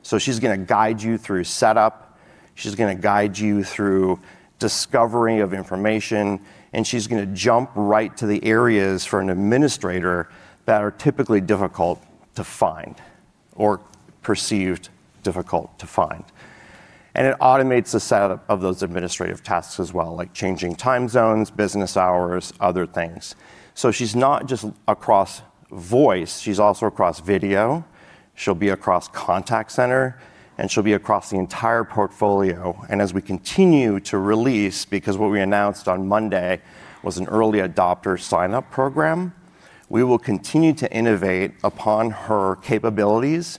D: She's going to guide you through setup, she's going to guide you through discovery of information and she's going to jump right to the areas for an administrator that are typically difficult to find or perceived difficult to find. It automates the setup of those administrative tasks as well, like changing time zones, business hours, other things. She's not just across voice, she's also across video. She'll be across contact center and she'll be across the entire portfolio. As we continue to release, because what we announced on Monday was an early adopter signup program, we will continue to innovate upon her capabilities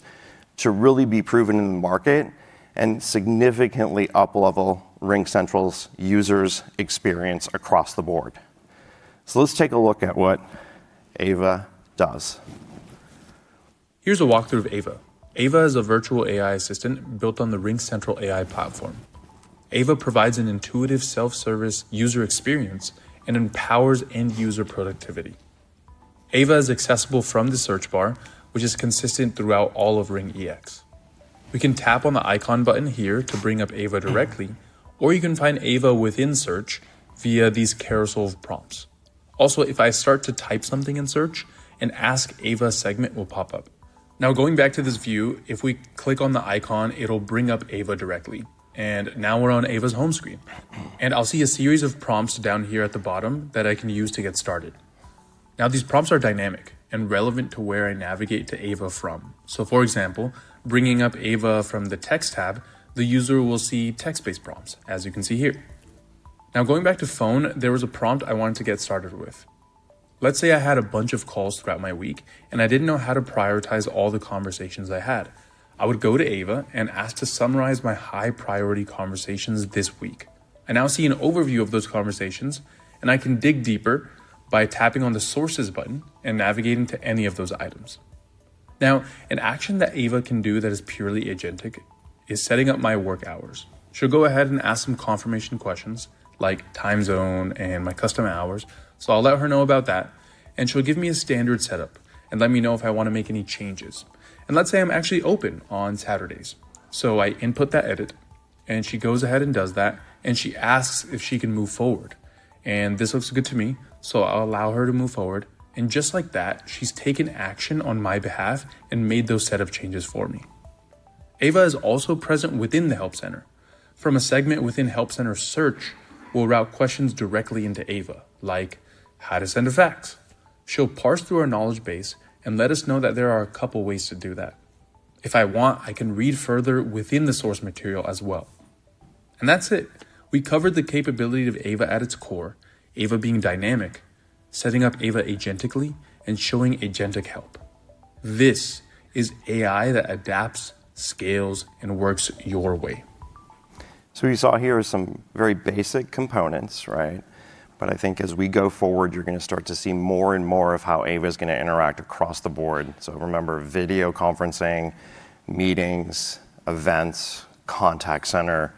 D: to really be proven in the market and significantly up level RingCentral's users experience across the board. Let's take a look at what Ava does.
E: Here's a walkthrough of Ava. Ava is a virtual AI assistant built on the RingCentral AI platform. Ava provides an intuitive self service user experience and empowers end user productivity. Ava is accessible from the search bar which is consistent throughout all of RingEx. We can tap on the icon button here to bring up Ava directly or you can find Ava within Search via these carousel prompts. Also, if I start to type something in search, an Ask Ava segment will pop up. Now, going back to this view, if we click on the icon it'll bring up Ava directly and now we're on Ava's home screen and I'll see a series of prompts down here at the bottom that I can use to get started. Now, these prompts are dynamic and relevant to where I navigate to Ava from. For example, bringing up Ava from the text tab, the user will see text-based prompts as you can see here. Now, going back to phone, there was a prompt I wanted to get started with. Let's say I had a bunch of calls throughout my week and I didn't know how to prioritize all the conversations I had. I would go to Ava and ask to summarize my high-priority conversations this week. I now see an overview of those conversations, and I can dig deeper by tapping on the Sources button and navigating to any of those items. Now, an action that Ava can do that is purely agentic is setting up my work hours. She'll go ahead and ask some confirmation questions like time zone and my custom hours. I'll let her know about that and she'll give me a standard setup and let me know if I want to make any changes. Let's say I'm actually open on Saturdays. I input that edit and she goes ahead and does that. She asks if she can move forward and this looks good to me. I'll allow her to move forward and just like that she's taken action on my behalf and made those set of changes for me. Ava is also present within the Help Center. From a segment within Help Center Search, we'll route questions directly into Ava like how to send a fax. She'll parse through our knowledge base and let us know that there are a couple ways to do that. If I want I can read further within the source material as well. That's it. We covered the capability of AVA, at its core, AVA being dynamic, setting up AVA agentically and showing agentic help. This is AI that adapts, scales, and works your way.
D: You saw here some very basic components. Right. I think as we go forward, you're gonna start to see more and more of how AVA's gonna interact across the board. Remember video conferencing, video meetings, events, contact center,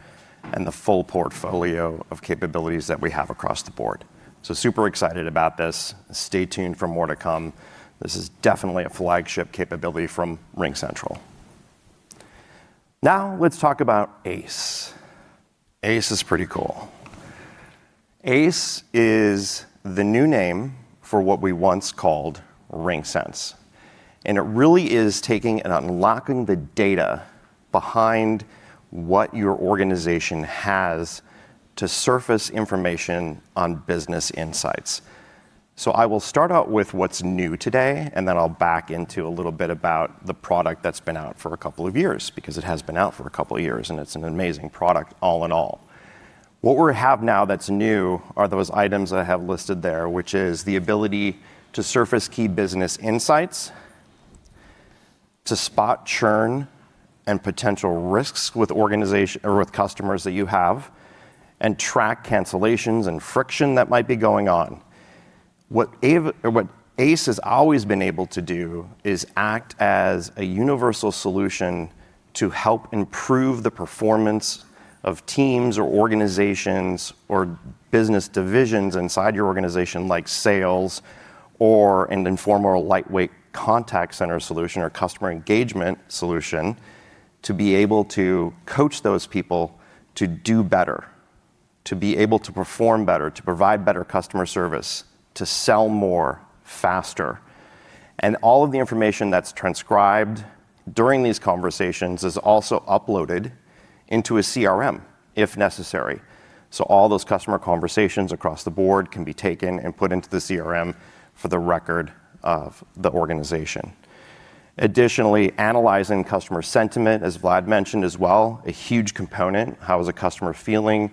D: and the full portfolio of capabilities that we have across the board. Super excited about this. Stay tuned for more to come. This is definitely a flagship capability from RingCentral. Now let's talk about ACE. ACE is pretty cool. ACE is the new name for what we once called RingSense. It really is taking and unlocking the data behind what your organization has to surface information on business insights. I will start out with what's new today and then I'll back into a little bit about the product that's been out for a couple of years. Because it has been out for a couple of years and it's an amazing product. All in all, what we have now that's new are those items I have listed there, which is the ability to surface key business insights, to spot churn and potential risks with customers that you have, and track cancellations and friction that might be going on. What ACE has always been able to do is act as a universal solution to help improve the performance of teams or organizations or business divisions inside your organization, like sales, or an informal, lightweight contact center solution or customer engagement solution, to be able to coach those people to do better, to be able to perform better, to provide better customer service, to sell more, faster. All of the information that's transcribed during these conversations is also uploaded into a CRM if necessary. All those customer conversations across the board can be taken and put into the CRM for the record of the organization. Additionally, analyzing customer sentiment, as Vlad mentioned as well, a huge component. How is a customer feeling?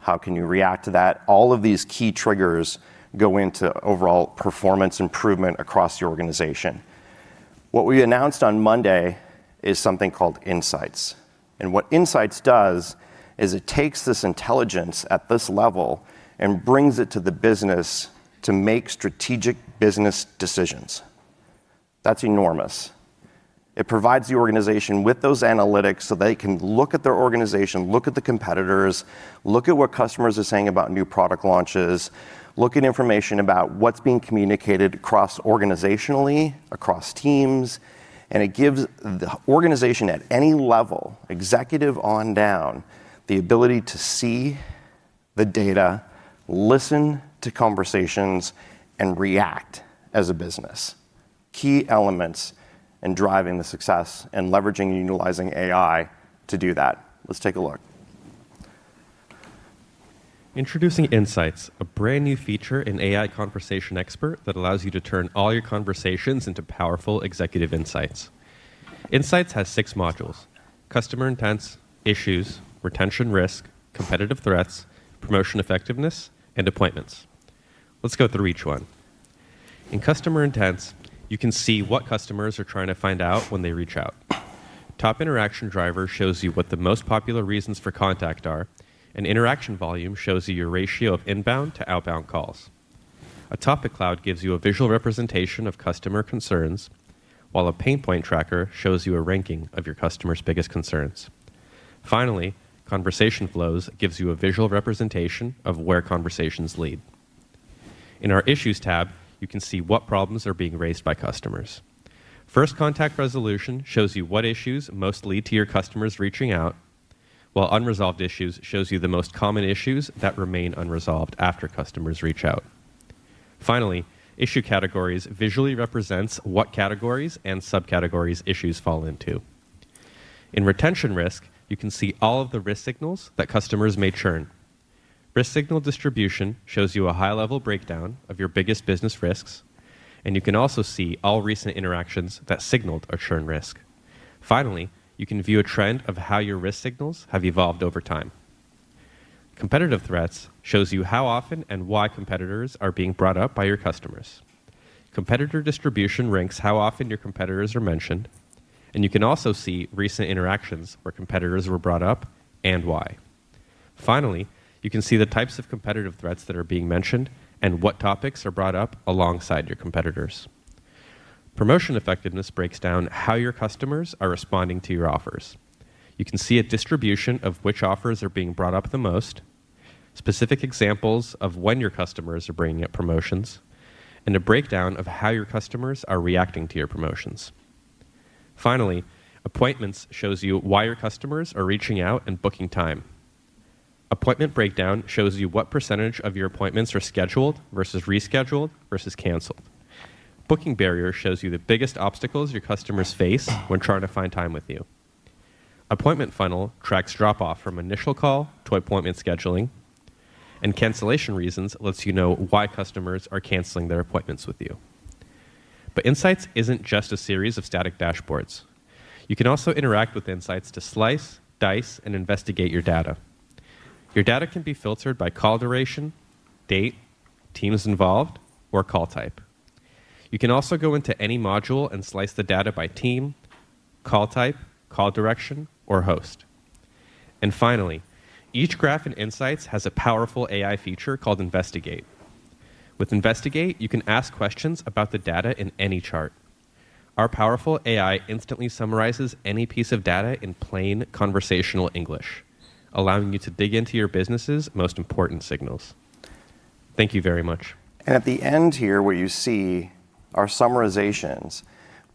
D: How can you react to that? All of these key triggers go into overall performance improvement across the organization. What we announced on Monday is something called Insights. What Insights does is it takes this intelligence at this level and brings it to the business to make strategic business decisions. That's enormous. It provides the organization with those analytics so they can look at their organization, look at the competitors, look at what customers are saying about new product launches, look at information about what's being communicated cross organizationally across teams, and it gives the organization at any level, executive on down, the ability to see the data, listen to conversations, and react as a business, key elements in driving the success and leveraging and utilizing AI to do that. Let's take a look.
E: Introducing Insights, a brand new feature in AI Conversation Expert that allows you to turn all your conversations into powerful executive Insights. Insights has six modules: Customer Intents, Issues, Retention Risk, Competitive Threats, Promotion Effectiveness, and Appointments. Let's go through each one. In Customer Intents, you can see what customers are trying to find out when they reach out. Top Interaction Driver shows you what the most popular reasons for contact are, and Interaction Volume shows you your ratio of inbound to outbound calls. A Topic Cloud gives you a visual representation of customer concerns, while a Pain Point Tracker shows you a ranking of your customers' biggest concerns. Finally, Conversation Flows gives you a visual representation of where conversations lead. In our Issues tab, you can see what problems are being raised by customers. First Contact Resolution shows you what issues matter most to your customers. Reaching out while Unresolved Issues shows you the most common issues that remain unresolved after customers reach out. Finally, Issue Categories visually represents what categories and subcategories issues fall into. In Retention Risk, you can see all of the risk signals that customers may churn. Risk Signal Distribution shows you a high-level breakdown of your biggest business risks, and you can also see all recent interactions that signaled a churn risk. Finally, you can view a trend of how your risk signals have evolved over time. Competitive Threats shows you how often and why competitors are being brought up by your customers. Competitor Distribution ranks how often your competitors are mentioned, and you can also see recent interactions where competitors were brought up and why. Finally, you can see the types of competitive threats that are being mentioned and what topics are brought up alongside your competitors. Promotion Effectiveness breaks down how your customers are responding to your offers. You can see a distribution of which offers are being brought up, the most specific examples of when your customers are bringing up promotions, and a breakdown of how your customers are reacting to your promotions. Finally, Appointments shows you why your customers are reaching out and booking time. Appointment Breakdown shows you what percentage of your appointments are scheduled versus rescheduled versus canceled. Booking Barrier shows you the biggest obstacles your customers face when trying to find time with you. Appointment Funnel tracks drop off from initial call to appointment scheduling, and cancellation reasons lets you know why customers are canceling their appointments with you. Insights is not just a series of static dashboards. You can also interact with Insights to slice, dice, and investigate your data. Your data can be filtered by call duration, date, teams involved or call type. You can also go into any module and slice the data by team, call type, call direction or host. Each graph in Insights has a powerful AI feature called Investigate. With Investigate, you can ask questions about the data in any chart. Our powerful AI instantly summarizes any piece of data in plain conversational English, allowing you to dig into your business's most important signals. Thank you very much.
D: At the end here, what you see are summarizations,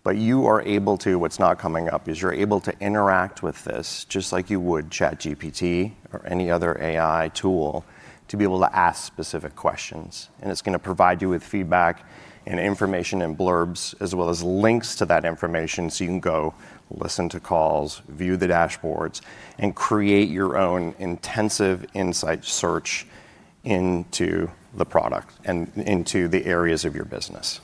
D: but you are able to. What's not coming up is you're able to interact with this just like you would ChatGPT or any other AI tool to be able to ask specific questions. It's gonna provide you with feedback and information and blurbs as well as links to that information so you can go listen to calls, view the dashboards, and create your own intensive insight search into the product and into the areas of your business.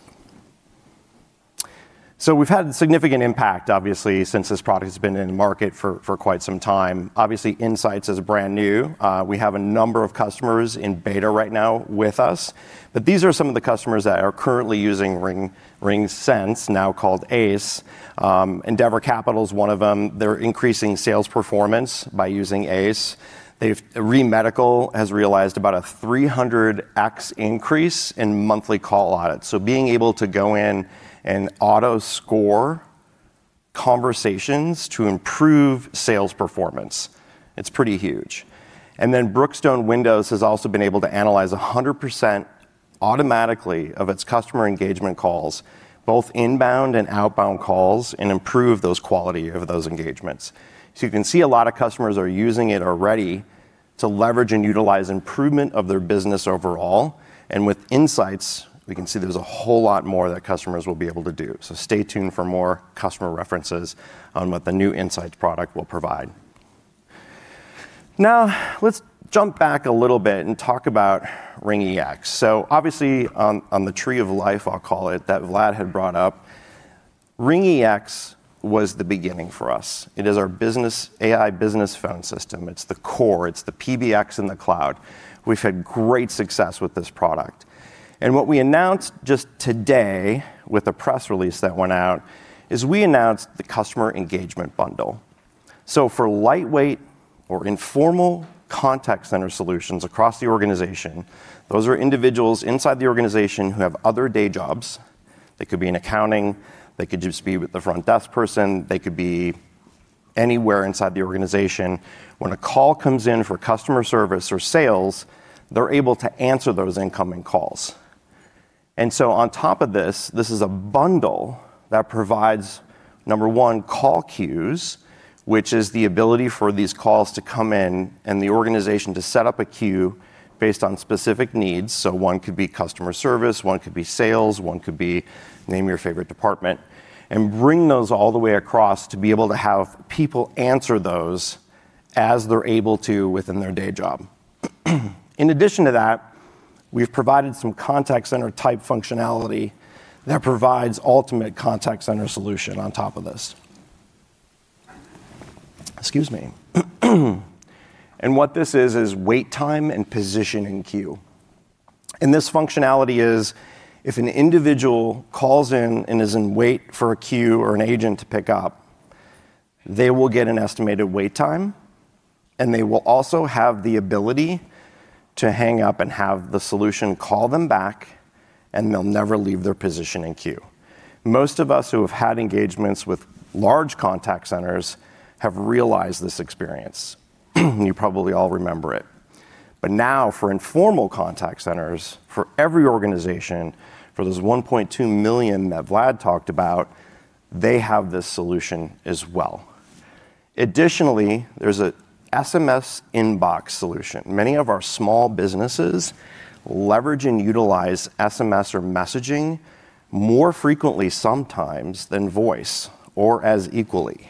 D: We've had significant impact, obviously, since this product has been in the market for quite some time. Obviously Insights is brand new. We have a number of customers in beta right now with us, but these are some of the customers that are currently using Ring. RingSense, now called ACE, Endeavor Capital is one of them. They're increasing sales performance by using ACE. REE Medical has realized about a 300x increase in monthly call audits. Being able to go in and audition auto score conversations to improve sales performance, it's pretty huge. Brookstone Windows has also been able to analyze 100% automatically of its customer engagement calls, both inbound and outbound calls, and improve those quality of those engagements. You can see a lot of customers are using it already to leverage and utilize improvement of their business overall. With Insights, we can see there's a whole lot more that customers will be able to do. Stay tuned for more customer references on what the new Insights product will provide. Now let's jump back a little bit and talk about RingEx. Obviously on the tree of life, I'll call it, that Vlad had brought up, RingEx was the beginning for us. It is our business AI, business phone system. It's the core, it's the PBX in the cloud. We've had great success with this product. What we announced just today with a press release that went out is we announced the Customer Engagement Bundle. For lightweight or informal contact center solutions across the organization, those are individuals inside the organization who have other day jobs. They could be in accounting, they could just be with the front desk person. They could be anywhere inside the organization. When a call comes in for customer service or sales, they're able to answer those incoming calls. On top of this, this is a bundle that provides, number one, call queues, which is the ability for these calls to come in and the organization to set up a queue based on specific needs. One could be customer service, one could be sales, one could be name your favorite department, and bring those all the way across to be able to have people answer those as they're able to within their day job. In addition to that, we've provided some contact center type functionality that provides ultimate contact center solution on top of this. Excuse me. What this is is wait time and positioning queue. This functionality is if an individual calls in and is in wait for a queue or an agent to pick up, they will get an estimated wait time and they will also have the ability to hang up and have the solution call them back and they'll never leave their position in queue. Most of us who have had engagements with large contact centers have realized this experience. You probably all remember it. Now for informal contact centers for every organization, for those 1.2 million that Vlad talked about, they have this solution as well. Additionally, there's a SMS inbox solution. Many of our small businesses leverage and utilize SMS or messaging more frequently sometimes than voice or as equally.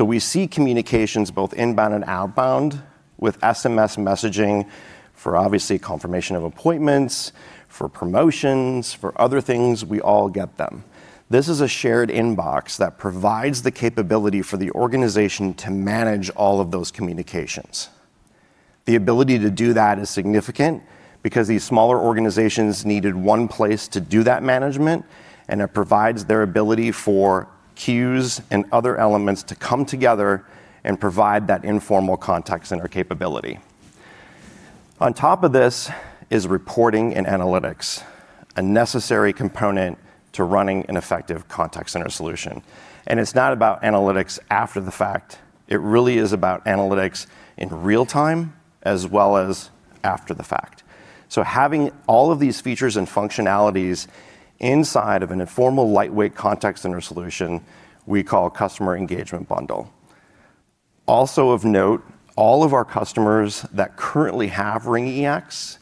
D: We see communications both inbound and outbound. With SMS messaging for obviously confirmation of appointments, for promotions, for other things, we all get them. This is a shared inbox that provides the capability for the organization to manage all of those communications. The ability to do that is significant because these smaller organizations needed one place to do that management and it provides their ability for queues and other elements to come together and provide that informal contact center capability. On top of this is reporting and analytics, a necessary component to running an effective contact center solution. It is not about analytics after the fact, it really is about analytics in real time as well as after the fact. Having all of these features and functionalities inside of an informal lightweight contact center solution we call Customer Engagement Bundle. Also of note, all of our customers that currently have RingEx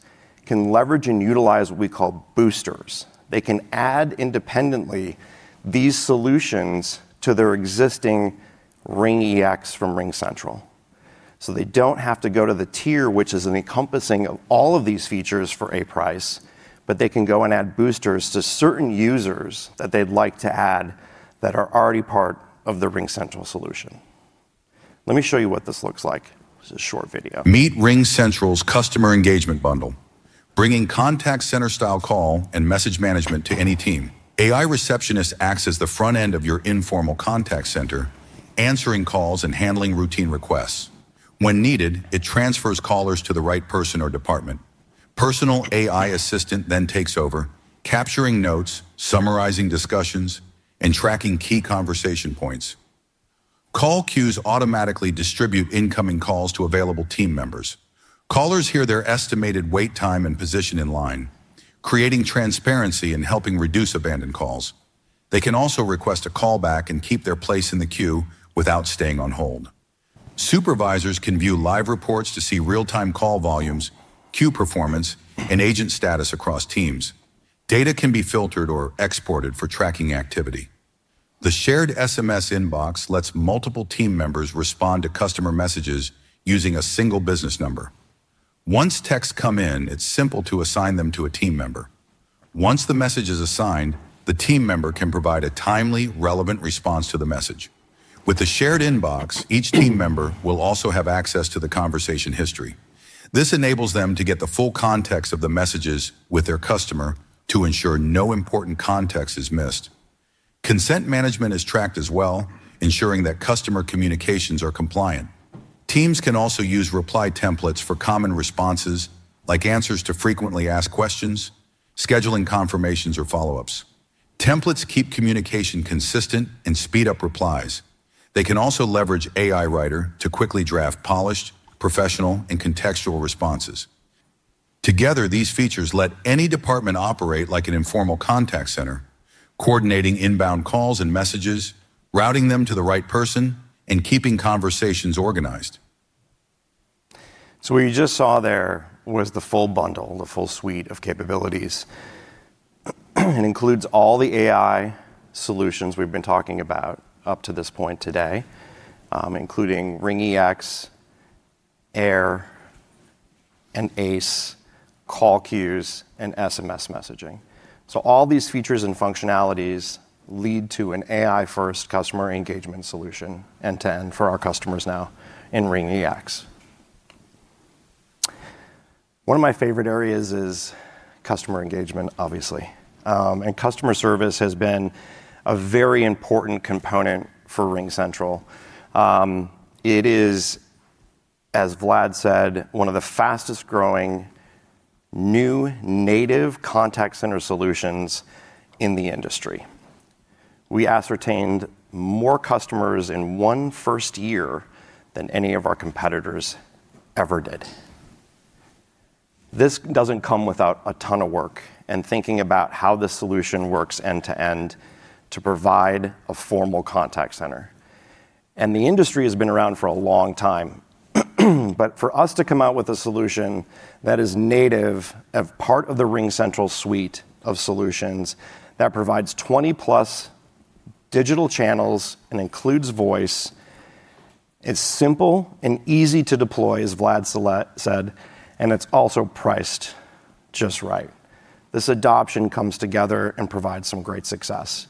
D: can leverage and utilize what we call boosters. They can add independently these solutions to their existing RingEx from RingCentral so they do not have to go to the tier which is an encompassing of all of these features for a price. They can go and add boosters to certain users that they'd like to add that are already part of the RingCentral solution. Let me show you what this looks like.
E: This is a short video. Meet RingCentral's Customer Engagement Bundle, bringing contact center style call and message management to any team. AI Receptionist acts as the front end of your informal contact center, answering calls and handling routine requests when needed. It transfers callers to the right person or department. Personal AI assistant then takes over, capturing notes, summarizing discussions, and tracking key conversation points. Call queues automatically distribute incoming calls to available team members. Callers hear their estimated wait time and position in line, creating transparency and helping reduce abandoned calls. They can also request a callback and keep their place in the queue without staying on hold. Supervisors can view live reports to see real time call volumes, queue performance, and agent status across teams. Data can be filtered or exported for tracking activity. The shared SMS inbox lets multiple team members respond to customer messages using a single business number. Once texts come in, it's simple to assign them to a team member. Once the message is assigned, the team member can provide a timely, relevant response to the message. With the shared inbox, each team member will also have access to the conversation history. This enables them to get the full context of the messages with their customer to ensure no important context is missed. Consent management is tracked as well, ensuring that customer communications are compliant. Teams can also use reply templates for common responses like answers to frequently asked questions, scheduling confirmations or follow ups. Templates keep communication consistent and speed up replies. They can also leverage AI Writer to quickly draft polished professional and contextual responses. Together, these features let any department operate like an informal contact center, coordinating inbound calls and messages, routing them to the right person and keeping conversations organized.
D: What you just saw there was the full bundle, the full suite of capabilities and includes all the AI solutions we've been talking about up to this point today, including RingEx, AIR and ACE call queues and SMS messaging. All these features and functionalities lead to an AI first customer engagement solution end to end for our customers. Now in RingEx, one of my favorite areas is customer engagement, obviously, and customer service has been a very important component for RingCentral. It is, as Vlad said, one of the fastest growing new native contact center solutions in the industry. We ascertained more customers in one first year than any of our competitors ever did. This doesn't come without a ton of work and thinking about how the solution works end to end to provide a formal contact center and the industry has been around for a long time. For us to come out with a solution that is native as part of the RingCentral suite of solutions that provides 20+ digital channels and includes voice, it's simple and easy to deploy, as Vlad said, and it's also priced just right. This adoption comes together and provides some great success.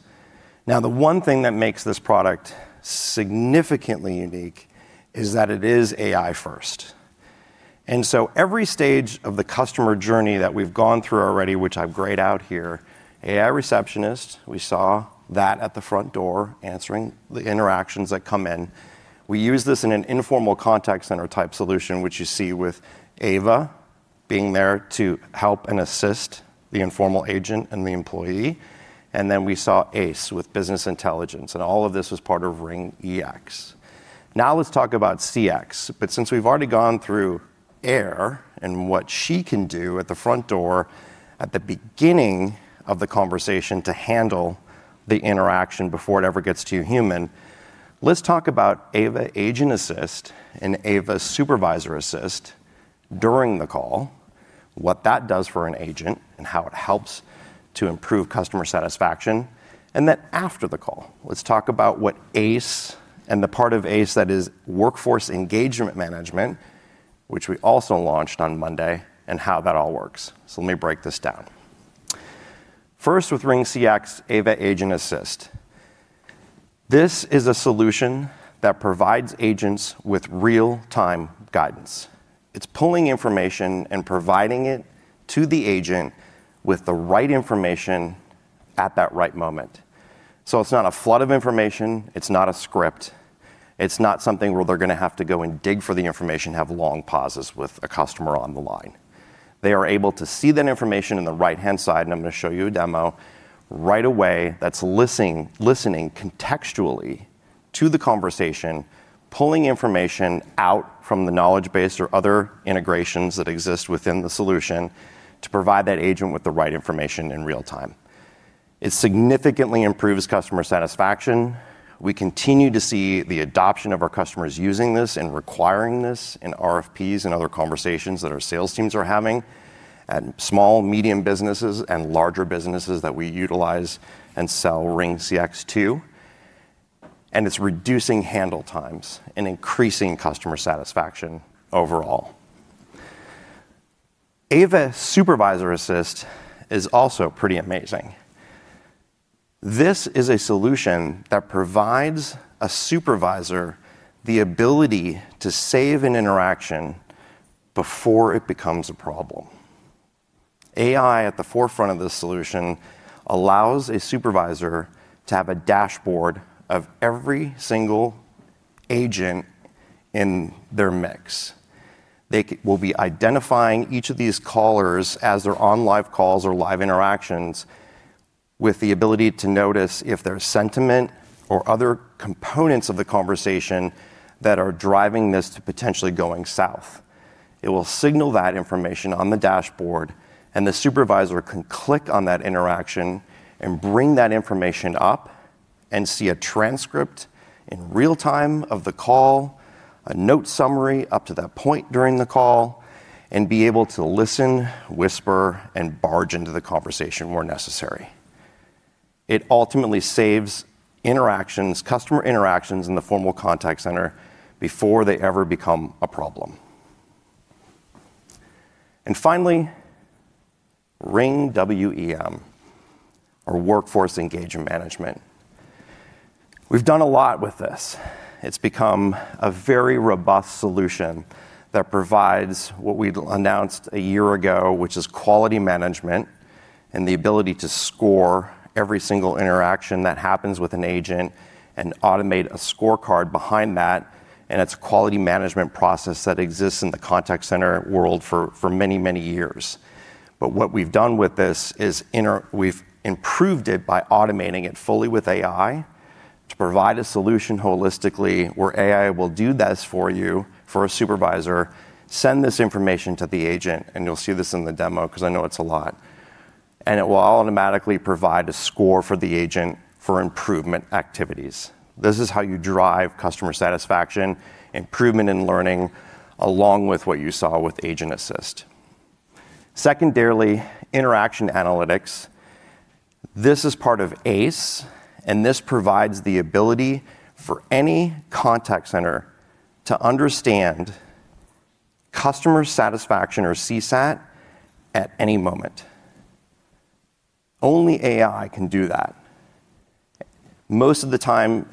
D: Now, the one thing that makes this product significantly unique is that it is AI first. Every stage of the customer journey that we've gone through already, which I've grayed out here, AI Receptionist, we saw that at the front door answering the interactions that come in, we use this in an informal contact center type solution which you see with AVA being there to help and assist the informal agent and the employee. We saw ACE with business intelligence. All of this was part of RingEx. Now let's talk about CX. Since we've already gone through AIR and what she can do at the front door at the beginning of the conversation to handle the interaction before it ever gets to human, let's talk about AVA Agent Assist and AVA Supervisor Assist during the call, what that does for an agent and how it helps to improve customer satisfaction. After the call, let's talk about what ACE and the part of ACE that is Workforce Engagement Management, which we also launched on Monday, and how that all works. Let me break this down first with RingCX. AVA agent assist. This is a solution that provides agents with real time guidance. It's pulling information and providing it to the agent with the right information at that right moment. It's not a flood of information, it's not a script, it's not something where they're gonna have to go and dig for the information, have long pauses with a customer on the line. They are able to see that information in the right-hand side and I'm gonna show you a demo right away that's listening contextually to the conversation, pulling information out from the knowledge base or other integrations that exist within the solution to provide that agent with the right information in real time. It significantly improves customer satisfaction. We continue to see the adoption of our customers using this and requiring this in RFPs and other conversations that our sales teams are having at small, medium businesses and larger businesses that we utilize and sell RingCX to, and it's reducing handle times and increasing customer satisfaction overall. AVA Supervisor Assist is also pretty amazing. This is a solution that provides a supervisor the ability to save an interaction before it becomes a problem. AI at the forefront of this solution allows a supervisor to have a dashboard of every single agent in their mix. They will be identifying each of these callers as they're on live calls or live interactions with the ability to notice if there's sentiment or other components of the conversation that are driving this to potentially going south. It will signal that information on the dashboard, and the supervisor can click on that interaction and bring that information up and see a transcript in real time of the call, a note summary up to that point during the call, and be able to listen, whisper, and barge into the conversation where necessary. It ultimately saves customer interactions in the formal contact center before they ever become a problem. Finally, RingWEM or Workforce Engagement Management. We've done a lot with this. It's become a very robust solution that provides what we announced a year ago, which is quality management and the ability to score every single interaction that happens with an agent and automate a scorecard behind that. It's a quality management process that exists in the contact center world for many, many years. What we've done with this is we've improved it by automating it fully with AI to provide a solution holistically where AI will do this for you, for a supervisor, send this information to the agent, and you'll see this in the demo because I know it's a lot, and it will automatically provide a score for the agent for improvement activities. This is how you drive customer satisfaction improvement in learning along with what you saw with agent assist, secondarily, interaction analytics. This is part of ACE and this provides the ability for any contact center to understand customer satisfaction or CSAT at any moment. Only AI can do that most of the time.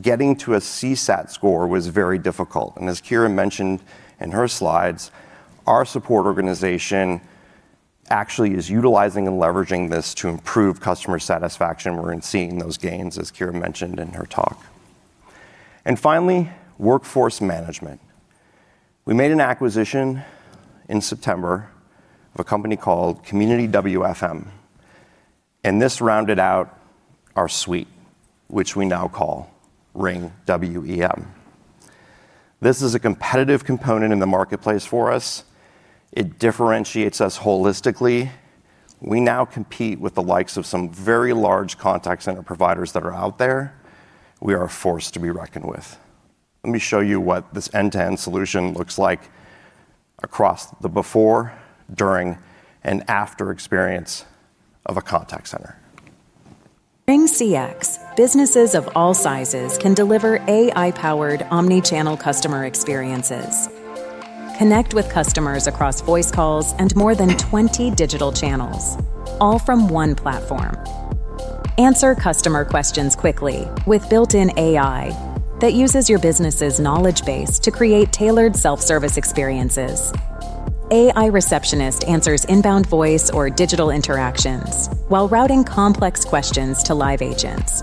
D: Getting to a CSAT score was very difficult. As Kira mentioned in her slides, our support organization actually is utilizing and leveraging this to improve customer satisfaction. We are seeing those gains as Kira mentioned in her talk. Finally, workforce management. We made an acquisition in September of a company called CommunityWFM and this rounded out our suite which we now call RingWEM. This is a competitive component in the marketplace for us. It differentiates us holistically. We now compete with the likes of some very large contact center providers that are out there. We are a force to be reckoned with. Let me show you what this end to end solution looks like across the before, during, and after experience of a contact center.
E: Businesses of all sizes can deliver AI-powered omnichannel customer experiences. Connect with customers across voice calls and more than 20 digital channels, all from one platform. Answer customer questions quickly with built-in AI that uses your business's knowledge base to create tailored self-service experiences. AI receptionist answers inbound voice or digital interactions while routing complex questions to live agents.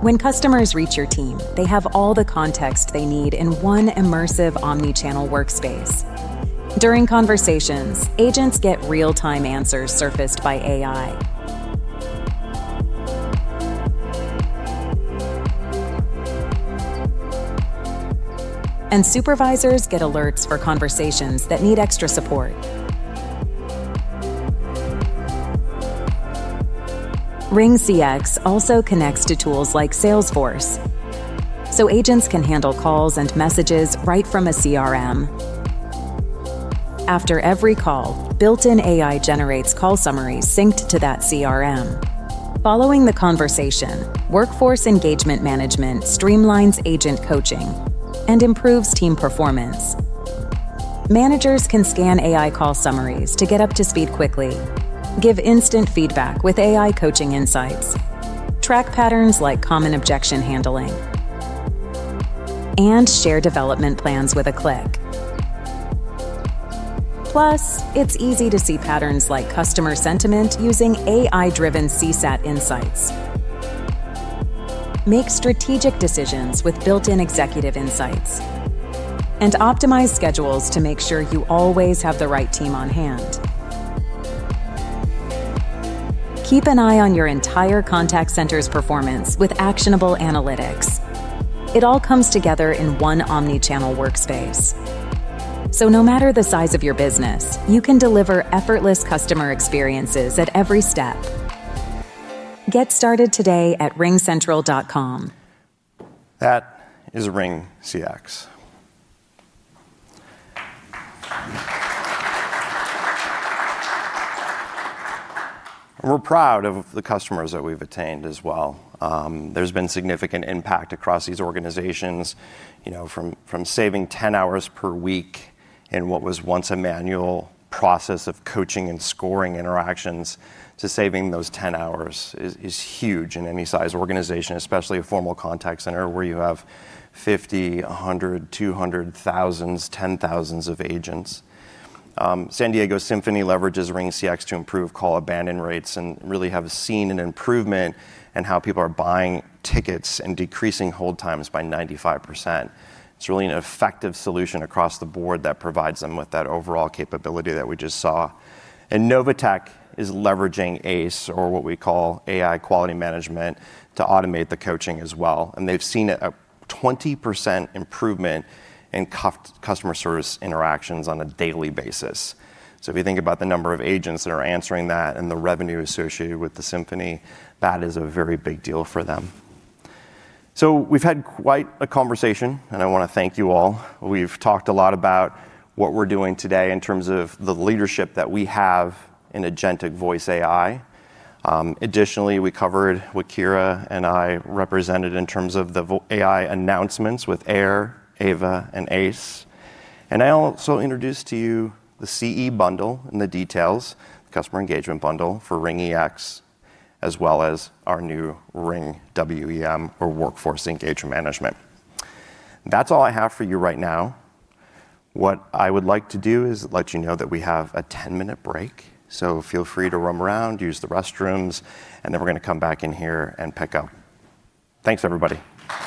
E: When customers reach your team, they have all the context they need in one immersive omnichannel workspace. During conversations, agents get real-time answers surfaced by AI. And. Supervisors get alerts for conversations that need extra support. RingCX also connects to tools like Salesforce so agents can handle calls and messages right from a CRM. After every call, built-in AI generates call summaries synced to that CRM following the conversation. Workforce Engagement Management streamlines agent coaching and improves team performance. Managers can scan AI call summaries to get up to speed quickly, give instant feedback with AI coaching insights, track patterns like common objection handling, and share development plans with a click. Plus, it is easy to see patterns like customer sentiment using AI-driven CSAT insights, make strategic decisions with built-in executive insights, and optimize schedules to make sure you always have the right team on hand. Keep an eye on your entire contact center's performance with actionable analytics. It all comes together in one omnichannel workspace, so no matter the size of your business, you can deliver effortless customer experiences at every step. Get started today at ringcentral.com. That is RingCX.
D: We're proud of the customers that we've attained as well. There's been significant impact across these organizations from saving 10 hours per week in what was once a manual process of coaching and scoring interactions to saving those 10 hours is huge in any size organization, especially a formal contact center where you have 50, 100, 200, thousands, 10 thousands of agents. San Diego Symphony leverages RingCX to improve call abandon rates and really have seen an improvement in how people are buying tickets and decreasing hold times by 95%. It's really an effective solution across the board that provides them with that overall capability that we just saw. And Novatech is leveraging ACE or what we call AI Quality Management to automate the coaching as well and they've seen a 20% improvement in customer service interactions on a daily basis. If you think about the number of agents that are answering that and the revenue associated with the Symphony, that is a very big deal for them. We have had quite a conversation and I want to thank you all. We have talked a lot about what we are doing today in terms of the leadership that we have in Agentic Voice AI. Additionally, we covered what Kira and I represented in terms of the AI announcements with AIR, AVA, and ACE, and I also introduced to you the CE Bundle and the Customer Engagement Bundle for RingEx as well as our new RingWEM or Workforce Engagement Management. That is all I have for you right now. What I would like to do is let you know that we have a 10 minute break, so feel free to roam around, use the restrooms, and then we're gonna come back in here and pick up. Thanks, everybody.